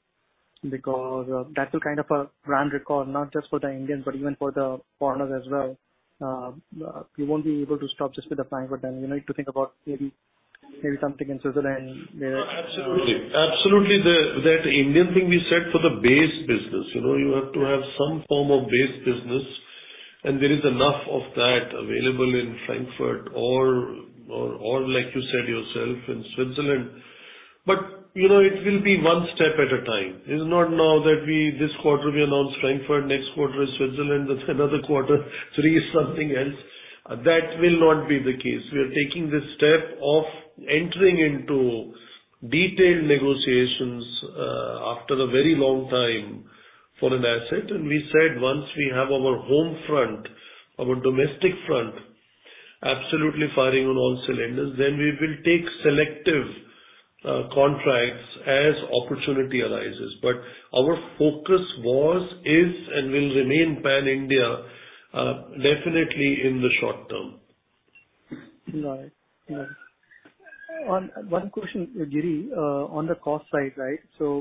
That's a kind of a brand record, not just for the Indians, but even for the foreigners as well. You won't be able to stop just with the Frankfurt, you need to think about maybe something in Switzerland where- Absolutely. Absolutely. The, that Indian thing we said, for the base business, you know, you have to have some form of base business, and there is enough of that available in Frankfurt or like you said yourself, in Switzerland. You know, it will be one step at a time. It's not now that we, this quarter we announce Frankfurt, next quarter is Switzerland, then another quarter, three is something else. That will not be the case. We are taking this step of entering into detailed negotiations after a very long time for an asset. We said once we have our home front, our domestic front, absolutely firing on all cylinders, then we will take selective contracts as opportunity arises. Our focus was, is, and will remain pan-India definitely in the short term. Right. Right. One question, Giridhar, on the cost side, right?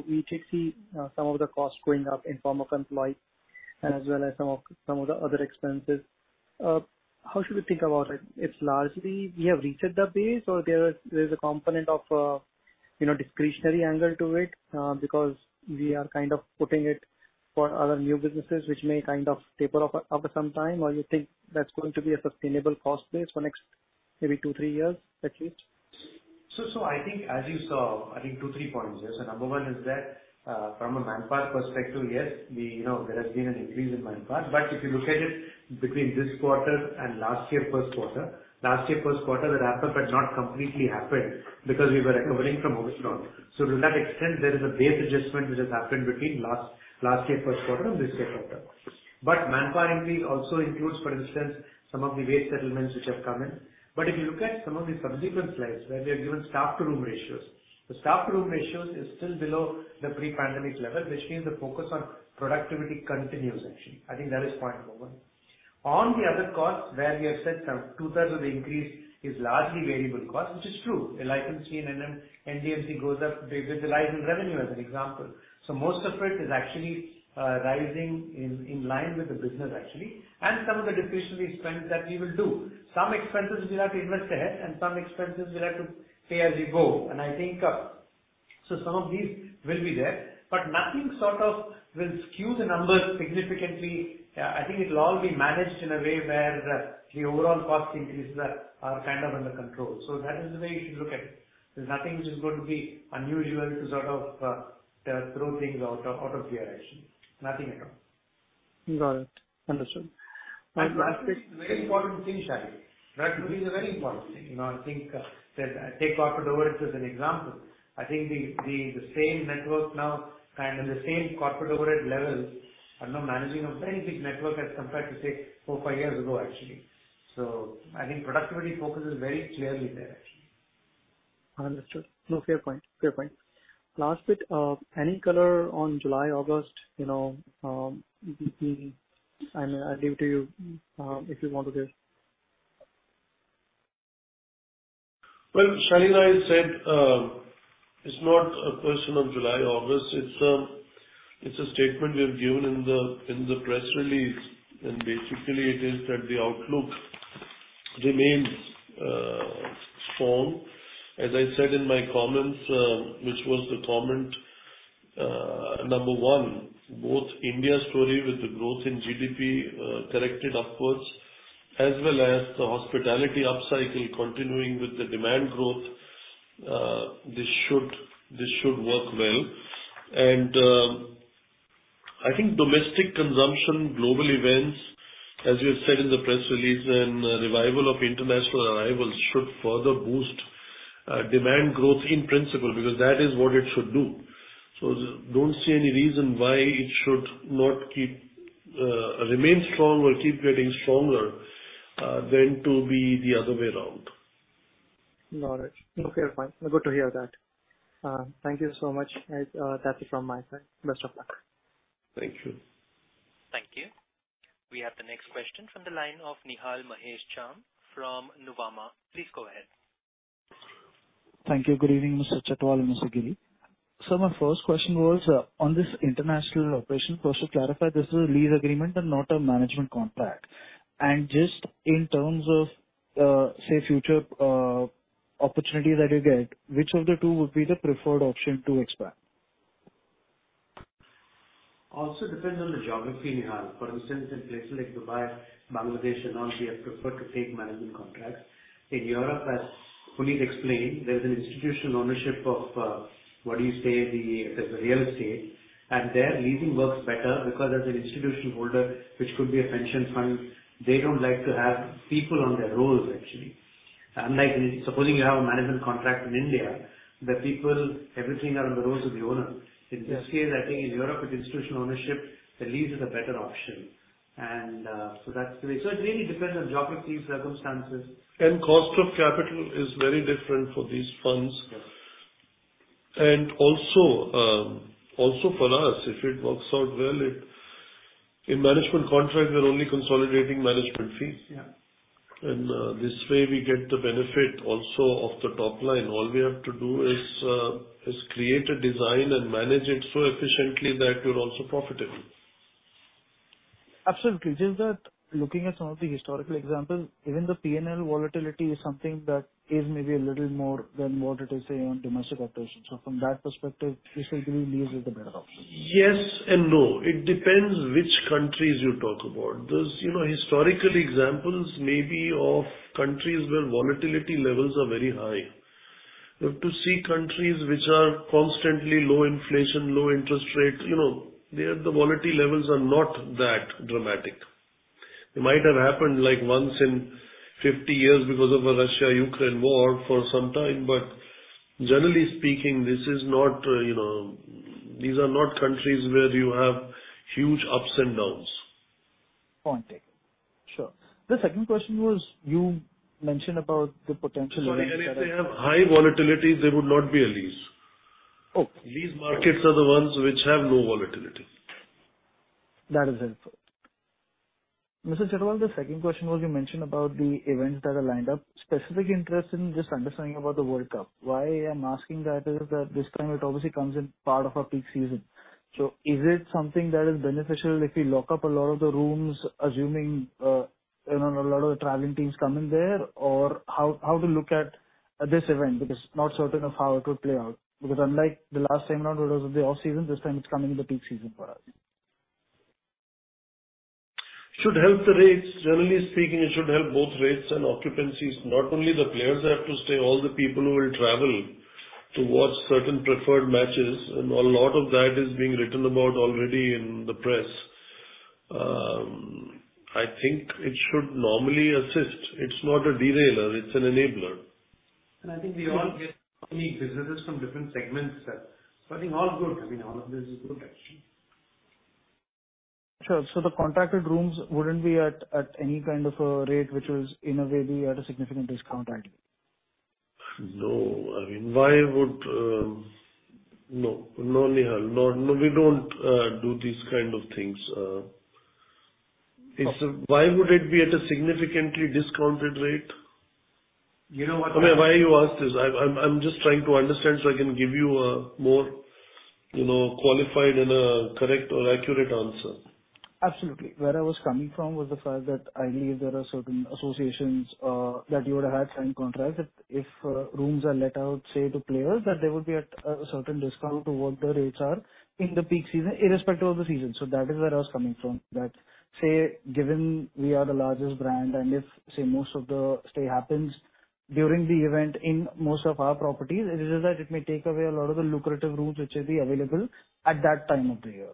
We did see some of the costs going up in form of employee and as well as some of the other expenses. How should we think about it? It's largely we have reached the base, or there is a component of, you know, discretionary angle to it, because we are kind of putting it for other new businesses, which may kind of taper off after some time, or you think that's going to be a sustainable cost base for next maybe two, three years, at least? I think as you saw, I think two, three points here. Number one is that, from a manpower perspective, yes, you know, there has been an increase in manpower. If you look at it between this quarter and last year, first quarter, the ramp up had not completely happened because we were recovering from overnight. To that extent, there is a base adjustment which has happened between last year, first quarter and this year quarter. Manpower increase also includes, for instance, some of the wage settlements which have come in. If you look at some of the subsequent slides where we have given staff-to-room ratios, the staff-to-room ratios is still below the pre-pandemic level, which means the focus on productivity continues, actually. I think that is point number one. On the other costs, where we have said some two-thirds of the increase is largely variable costs, which is true. A licensee in an NDMC goes up with the rise in revenue, as an example. Most of it is actually rising in line with the business, actually, and some of the discretionary spend that we will do. Some expenses we'll have to invest ahead, and some expenses we'll have to pay as we go. I think some of these will be there, but nothing sort of will skew the numbers significantly. I think it'll all be managed in a way where the overall cost increases are kind of under control. That is the way you should look at it. There's nothing which is going to be unusual to sort of throw things out of gear actually. Nothing at all. Got it. Understood. Lastly. Very important thing, Shalini. Productivity is a very important thing. You know, I think, take corporate overhead as an example. I think the same network now and the same corporate overhead level are now managing a very big network as compared to, say, four, five years ago, actually. I think productivity focus is very clearly there, actually. Understood. No, fair point. Fair point. Last bit, any color on July, August, you know, I mean, I'll leave it to you, if you want to give. Well, Shalina has said, it's not a question of July, August. It's a statement we have given in the press release, and basically it is that the outlook remains strong. As I said in my comments, which was the comment number one, both India's story with the growth in GDP, corrected of course, as well as the hospitality upcycle continuing with the demand growth, this should work well. I think domestic consumption, global events, as we have said in the press release, and revival of international arrivals should further boost demand growth in principle, because that is what it should do. Don't see any reason why it should not keep remain strong or keep getting stronger than to be the other way around. Got it. Okay, fine. Good to hear that. Thank you so much, guys. That's it from my side. Best of luck. Thank you. Thank you. We have the next question from the line of Nihal Mahesh Jham from Nuvama. Please go ahead. Thank you. Good evening, Mr. Chhatwal and Mr. Giri. My first question was on this international operation, first to clarify, this is a lease agreement and not a management contract. Just in terms of, say, future opportunity that you get, which of the two would be the preferred option to expand? Also depends on the geography, Nihal. For instance, in places like Dubai, Bangladesh and all, we have preferred to take management contracts. In Europe, as Puneet explained, there's an institutional ownership of the real estate, and there leasing works better because as an institutional holder, which could be a pension fund, they don't like to have people on their rolls, actually. Unlike, supposing you have a management contract in India, the people, everything are on the rolls of the owner. In this case, I think in Europe, with institutional ownership, the lease is a better option. That's the way. It really depends on geography, circumstances. Cost of capital is very different for these funds. Yes. Also for us, if it works out well, In management contracts, we're only consolidating management fees. Yeah. This way we get the benefit also of the top line. All we have to do is create a design and manage it so efficiently that we're also profitable. Absolutely. It's just that looking at some of the historical examples, even the P&L volatility is something that is maybe a little more than what it is, say, on domestic operations. From that perspective, essentially, lease is the better option. Yes and no. It depends which countries you talk about. There's, you know, historical examples maybe of countries where volatility levels are very high. You have to see countries which are constantly low inflation, low interest rate, you know, there, the volatility levels are not that dramatic. It might have happened, like, once in 50 years because of a Russia-Ukraine war for some time. Generally speaking, this is not, you know, these are not countries where you have huge ups and downs. Point taken. Sure. The second question was, you mentioned about the potential. Sorry, if they have high volatility, they would not be a lease. Okay. Lease markets are the ones which have low volatility. That is helpful. Mr. Chatwal, the second question was, you mentioned about the events that are lined up. Specific interest in just understanding about the World Cup. Why I'm asking that is that this time it obviously comes in part of a peak season. Is it something that is beneficial if we lock up a lot of the rooms, assuming, you know, a lot of the traveling teams coming there? Or how to look at this event? Because not certain of how it would play out. Because unlike the last time round, it was of the off-season, this time it's coming in the peak season for us. Should help the rates. Generally speaking, it should help both rates and occupancies. Not only the players have to stay, all the people who will travel to watch certain preferred matches, and a lot of that is being written about already in the press. I think it should normally assist. It's not a derailer, it's an enabler. I think we all get unique visitors from different segments, so I think all good. I mean, all of this is good, actually. Sure. The contracted rooms wouldn't be at any kind of a rate, which was in a way be at a significant discount, I think? No. I mean, why would... No, Nihal. No, we don't do these kind of things. It's a- Why would it be at a significantly discounted rate? You know. I mean, why you ask this? I'm just trying to understand, so I can give you a more, you know, qualified and a correct or accurate answer. Absolutely. Where I was coming from was the fact that ideally there are certain associations that you would have had signed contracts, that if rooms are let out, say, to players, that they would be at a certain discount to what the rates are in the peak season, irrespective of the season. That is where I was coming from. That, say, given we are the largest brand and if, say, most of the stay happens during the event in most of our properties, it is that it may take away a lot of the lucrative rooms which will be available at that time of the year.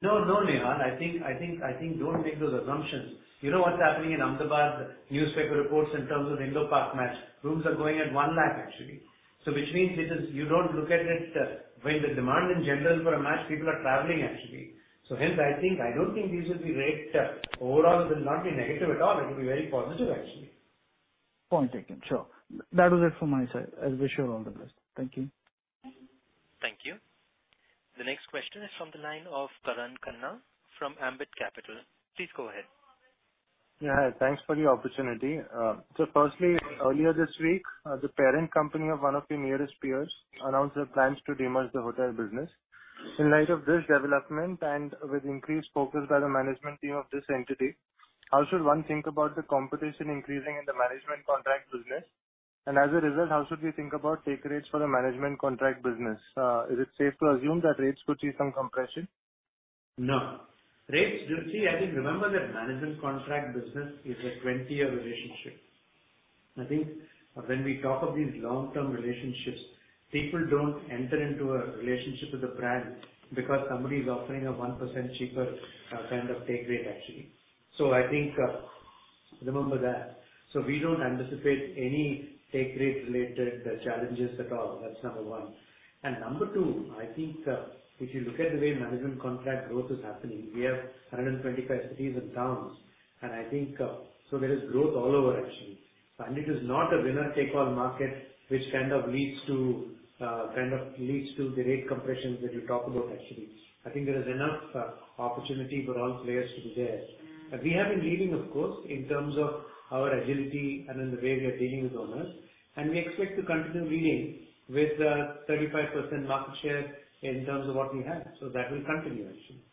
No, no, Nihal, I think don't make those assumptions. You know what's happening in Ahmedabad, newspaper reports in terms of Indo-Pak match. Rooms are going at 1 lakh, actually. Which means you don't look at it when the demand in general for a match, people are traveling, actually. Hence, I think, I don't think this will be. Overall, it will not be negative at all. It will be very positive, actually. Point taken. Sure. That was it from my side. I wish you all the best. Thank you. Thank you. The next question is from the line of Karan Khanna from Ambit Capital. Please go ahead. Thanks for the opportunity. Firstly, earlier this week, the parent company of one of your nearest peers announced their plans to demerge the hotel business. In light of this development and with increased focus by the management team of this entity, how should one think about the competition increasing in the management contract business? As a result, how should we think about take rates for the management contract business? Is it safe to assume that rates could see some compression? Rates, you see, I think remember that management contract business is a 20-year relationship. I think when we talk of these long-term relationships, people don't enter into a relationship with a brand because somebody is offering a 1% cheaper, kind of take rate, actually. I think, remember that. We don't anticipate any take rate-related challenges at all. That's number one. Number two, I think, if you look at the way management contract growth is happening, we have 125 cities and towns, and I think, there is growth all over, actually. It is not a winner-take-all market, which kind of leads to the rate compressions that you talk about, actually. I think there is enough opportunity for all players to be there. We have been leading, of course, in terms of our agility and in the way we are dealing with owners, and we expect to continue leading with, 35% market share in terms of what we have. That will continue, actually.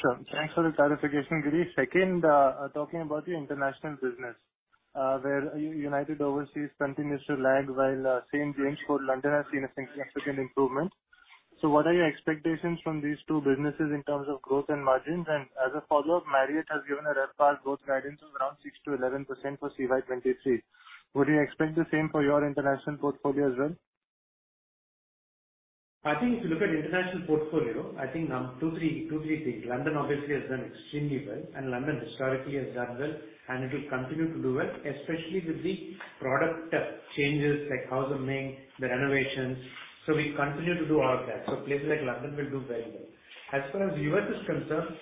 Sure. Thanks for the clarification, Girish. Second, talking about the international business, where United Overseas continues to lag while St. James Court, London, has seen a significant improvement. What are your expectations from these two businesses in terms of growth and margins? As a follow-up, Marriott has given a RevPAR growth guidance of around 6%-11% for CY 2023. Would you expect the same for your international portfolio as well? I think if you look at international portfolio, I think two, three things. London obviously has done extremely well. London historically has done well. It will continue to do well, especially with the product changes, like housemaking, the renovations. We continue to do all of that. Places like London will do very well. As far as U.S is concerned,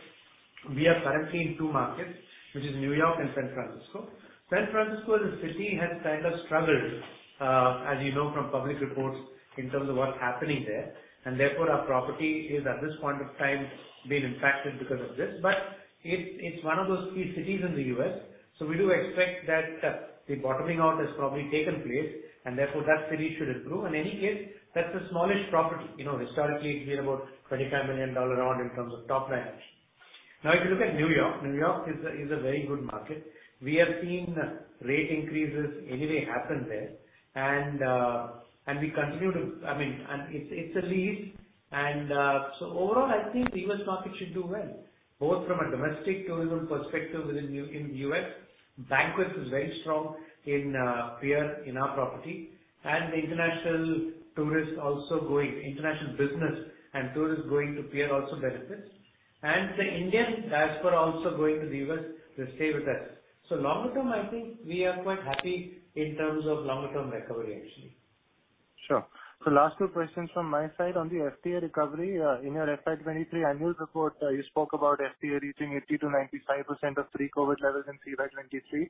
we are currently in two markets, which is New York and San Francisco. San Francisco as a city has kind of struggled, as you know from public reports, in terms of what's happening there. Our property is, at this point of time, being impacted because of this. It's one of those key cities in the US. We do expect that the bottoming out has probably taken place. That city should improve. In any case, that's a smallish property. You know, historically, it's been about $25 million odd in terms of top line. If you look at New York, New York is a very good market. We have seen rate increases anyway happen there, we continue to. I mean, it's a lease. Overall, I think the U.S. market should do well, both from a domestic tourism perspective within US. Banquets is very strong in The Pierre, in our property, and the international tourists also going, international business and tourists going to The Pierre also benefits. The Indian diaspora also going to the U.S. will stay with us. Longer term, I think we are quite happy in terms of longer-term recovery, actually. Sure. Last two questions from my side. On the FTA recovery, in your FY 2023 annual report, you spoke about FTA reaching 80%-95% of pre-COVID levels in FY 2023.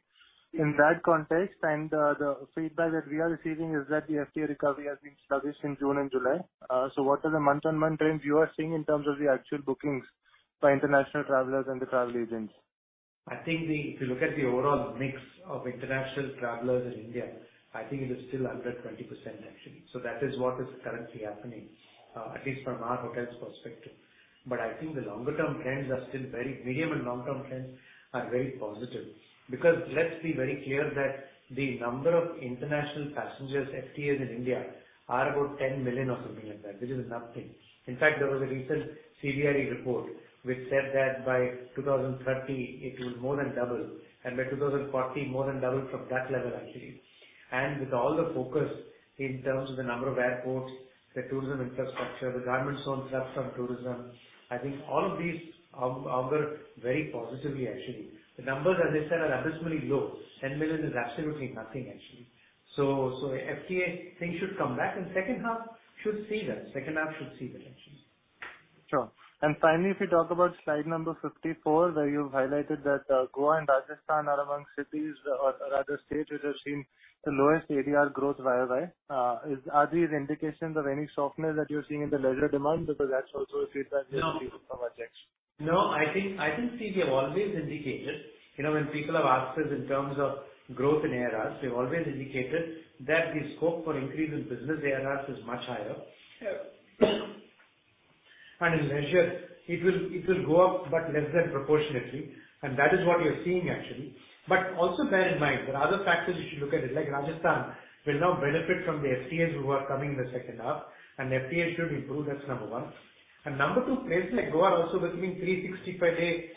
In that context, the feedback that we are receiving is that the FTA recovery has been sluggish in June and July. What are the month-on-month trends you are seeing in terms of the actual bookings by international travelers and the travel agents? I think if you look at the overall mix of international travelers in India, I think it is still under 20%, actually. That is what is currently happening, at least from our hotel's perspective. I think the medium and long-term trends are very positive. Let's be very clear that the number of international passengers, FTAs, in India are about 10 million or something like that, which is nothing. In fact, there was a recent CBRE report which said that by 2030, it will more than double, and by 2040, more than double from that level, actually. With all the focus in terms of the number of airports, the tourism infrastructure, the government's own thrust on tourism, I think all of these augur very positively, actually. The numbers, as I said, are abysmally low. 10 million is absolutely nothing, actually. The FTA thing should come back, and second half should see that. Second half should see that, actually. Sure. Finally, if you talk about slide number 54, where you've highlighted that, Goa and Rajasthan are among cities or rather states which have seen the lowest ADR growth Y by Y. Are these indications of any softness that you're seeing in the leisure demand? Because that's also a feedback we are receiving from our checks. No, I think we have always indicated, you know, when people have asked us in terms of growth in ADRs, we've always indicated that the scope for increase in business ADRs is much higher. In leisure, it will go up, but less than proportionately, and that is what you're seeing, actually. Also bear in mind, there are other factors you should look at it, like Rajasthan will now benefit from the FTAs who are coming in the second half, and FTA should improve. That's number one. Number two, places like Goa are also becoming 365-day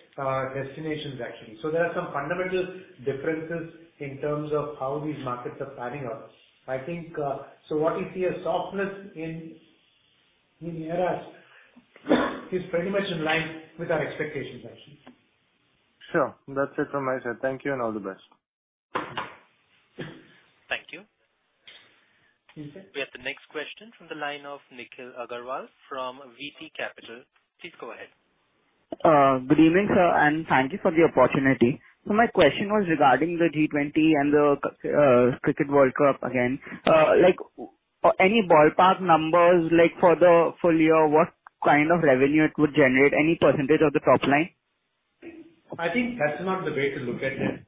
destinations, actually. There are some fundamental differences in terms of how these markets are panning out. I think, what you see as softness in ADRs is pretty much in line with our expectations, actually. Sure. That's it from my side. Thank you, and all the best. Thank you. Thank you. We have the next question from the line of Nikhil Agarwal from VT Capital. Please go ahead. Good evening, sir, and thank you for the opportunity. My question was regarding the G20 and the Cricket World Cup again. Like, any ballpark numbers, like, for the full year, what kind of revenue it would generate, any percentage of the top line? I think that's not the way to look at it.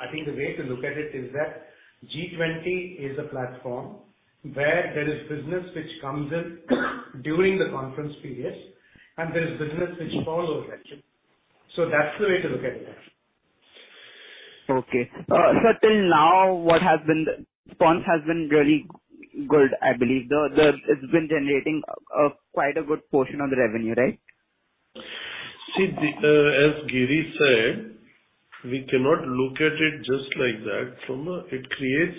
I think the way to look at it is that G20 is a platform where there is business which comes in during the conference period, and there is business which follows actually. That's the way to look at it. Sir, till now, what has been the response has been really good, I believe. It's been generating quite a good portion of the revenue, right? See the, as Giri said, we cannot look at it just like that. It creates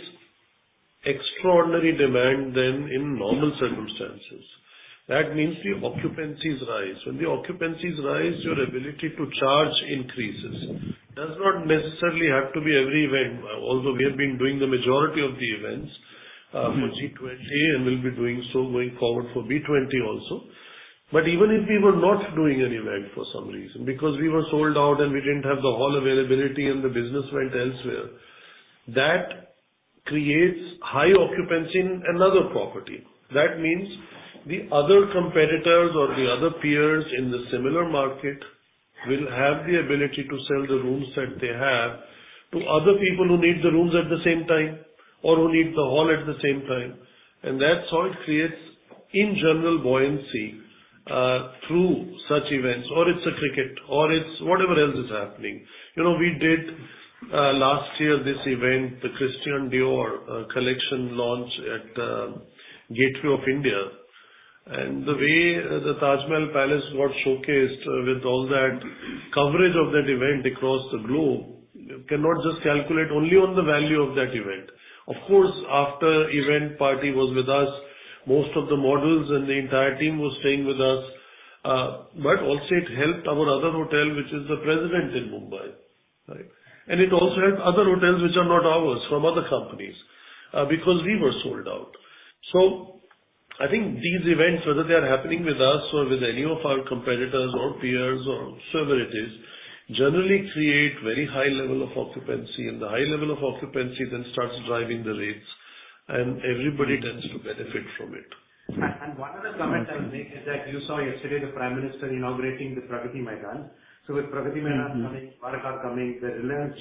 extraordinary demand than in normal circumstances. That means the occupancies rise. When the occupancies rise, your ability to charge increases. Does not necessarily have to be every event, although we have been doing the majority of the events, for G20, and we'll be doing so going forward for B20 also. Even if we were not doing an event for some reason, because we were sold out and we didn't have the hall availability and the business went elsewhere, that creates high occupancy in another property. That means the other competitors or the other peers in the similar market will have the ability to sell the rooms that they have to other people who need the rooms at the same time, or who need the hall at the same time. That's how it creates, in general, buoyancy, through such events, or it's a cricket or it's whatever else is happening. You know, we did, last year, this event, the Christian Dior Collection launch at Gateway of India. The way the Taj Mahal Palace got showcased with all that coverage of that event across the globe, cannot just calculate only on the value of that event. Of course, after event, party was with us, most of the models and the entire team was staying with us, but also it helped our other hotel, which is the President in Mumbai, right? It also helped other hotels, which are not ours, from other companies, because we were sold out. I think these events, whether they are happening with us or with any of our competitors or peers or whoever it is, generally create very high level of occupancy, and the high level of occupancy then starts driving the rates, and everybody tends to benefit from it. One other comment I will make is that you saw yesterday the Prime Minister inaugurating the Pragati Maidan. With Pragati Maidan coming, Dwarka coming, the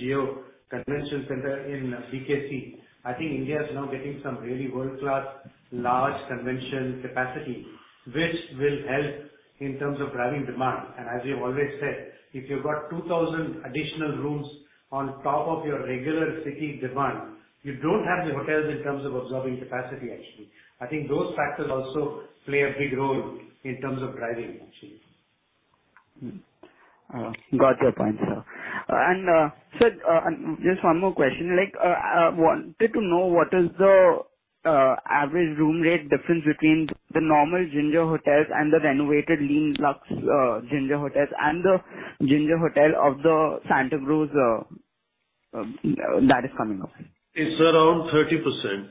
Jio World Convention Centre in BKC, I think India is now getting some really world-class, large convention capacity, which will help in terms of driving demand. As we have always said, if you've got 2,000 additional rooms on top of your regular city demand, you don't have the hotels in terms of absorbing capacity, actually. I think those factors also play a big role in terms of driving, actually. Got your point, sir. Sir, and just one more question, like, I wanted to know, what is the average room rate difference between the normal Ginger Hotels and the renovated Lean Luxe Ginger Hotels and the Ginger Hotel of the Santa Cruz that is coming up? It's around 30%.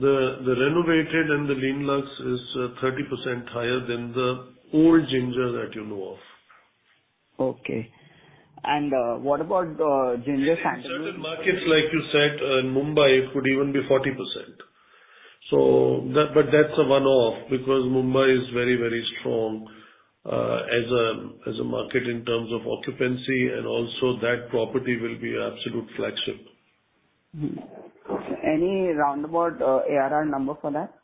The renovated and the Lean Luxe is 30% higher than the old Ginger that you know of. Okay. What about Ginger Santa Cruz? Certain markets, like you said, in Mumbai, it could even be 40%. That's a one-off, because Mumbai is very, very strong, as a market in terms of occupancy, and also that property will be absolute flagship. Mm-hmm. Okay. Any roundabout, ARR number for that?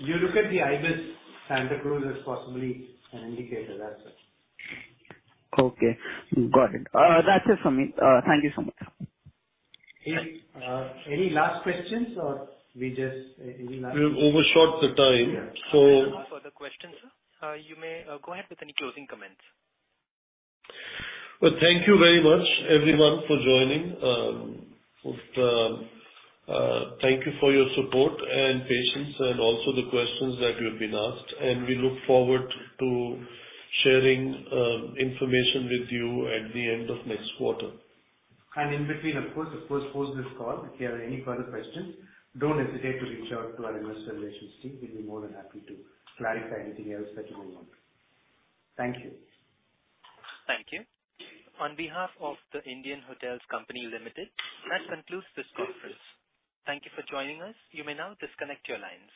You look at the Ibis Mumbai Airport as possibly an indicator, that's it. Okay, got it. That's it for me. Thank you so much. Any last questions? We've overshot the time, so. No further questions, sir. You may go ahead with any closing comments. Well, thank you very much everyone for joining. Thank you for your support and patience and also the questions that you've been asked, and we look forward to sharing information with you at the end of next quarter. In between, of course, post this call, if you have any further questions, don't hesitate to reach out to our investor relations team. We'll be more than happy to clarify anything else that you may want. Thank you. Thank you. On behalf of The Indian Hotels Company Limited, that concludes this conference. Thank you for joining us. You may now disconnect your lines.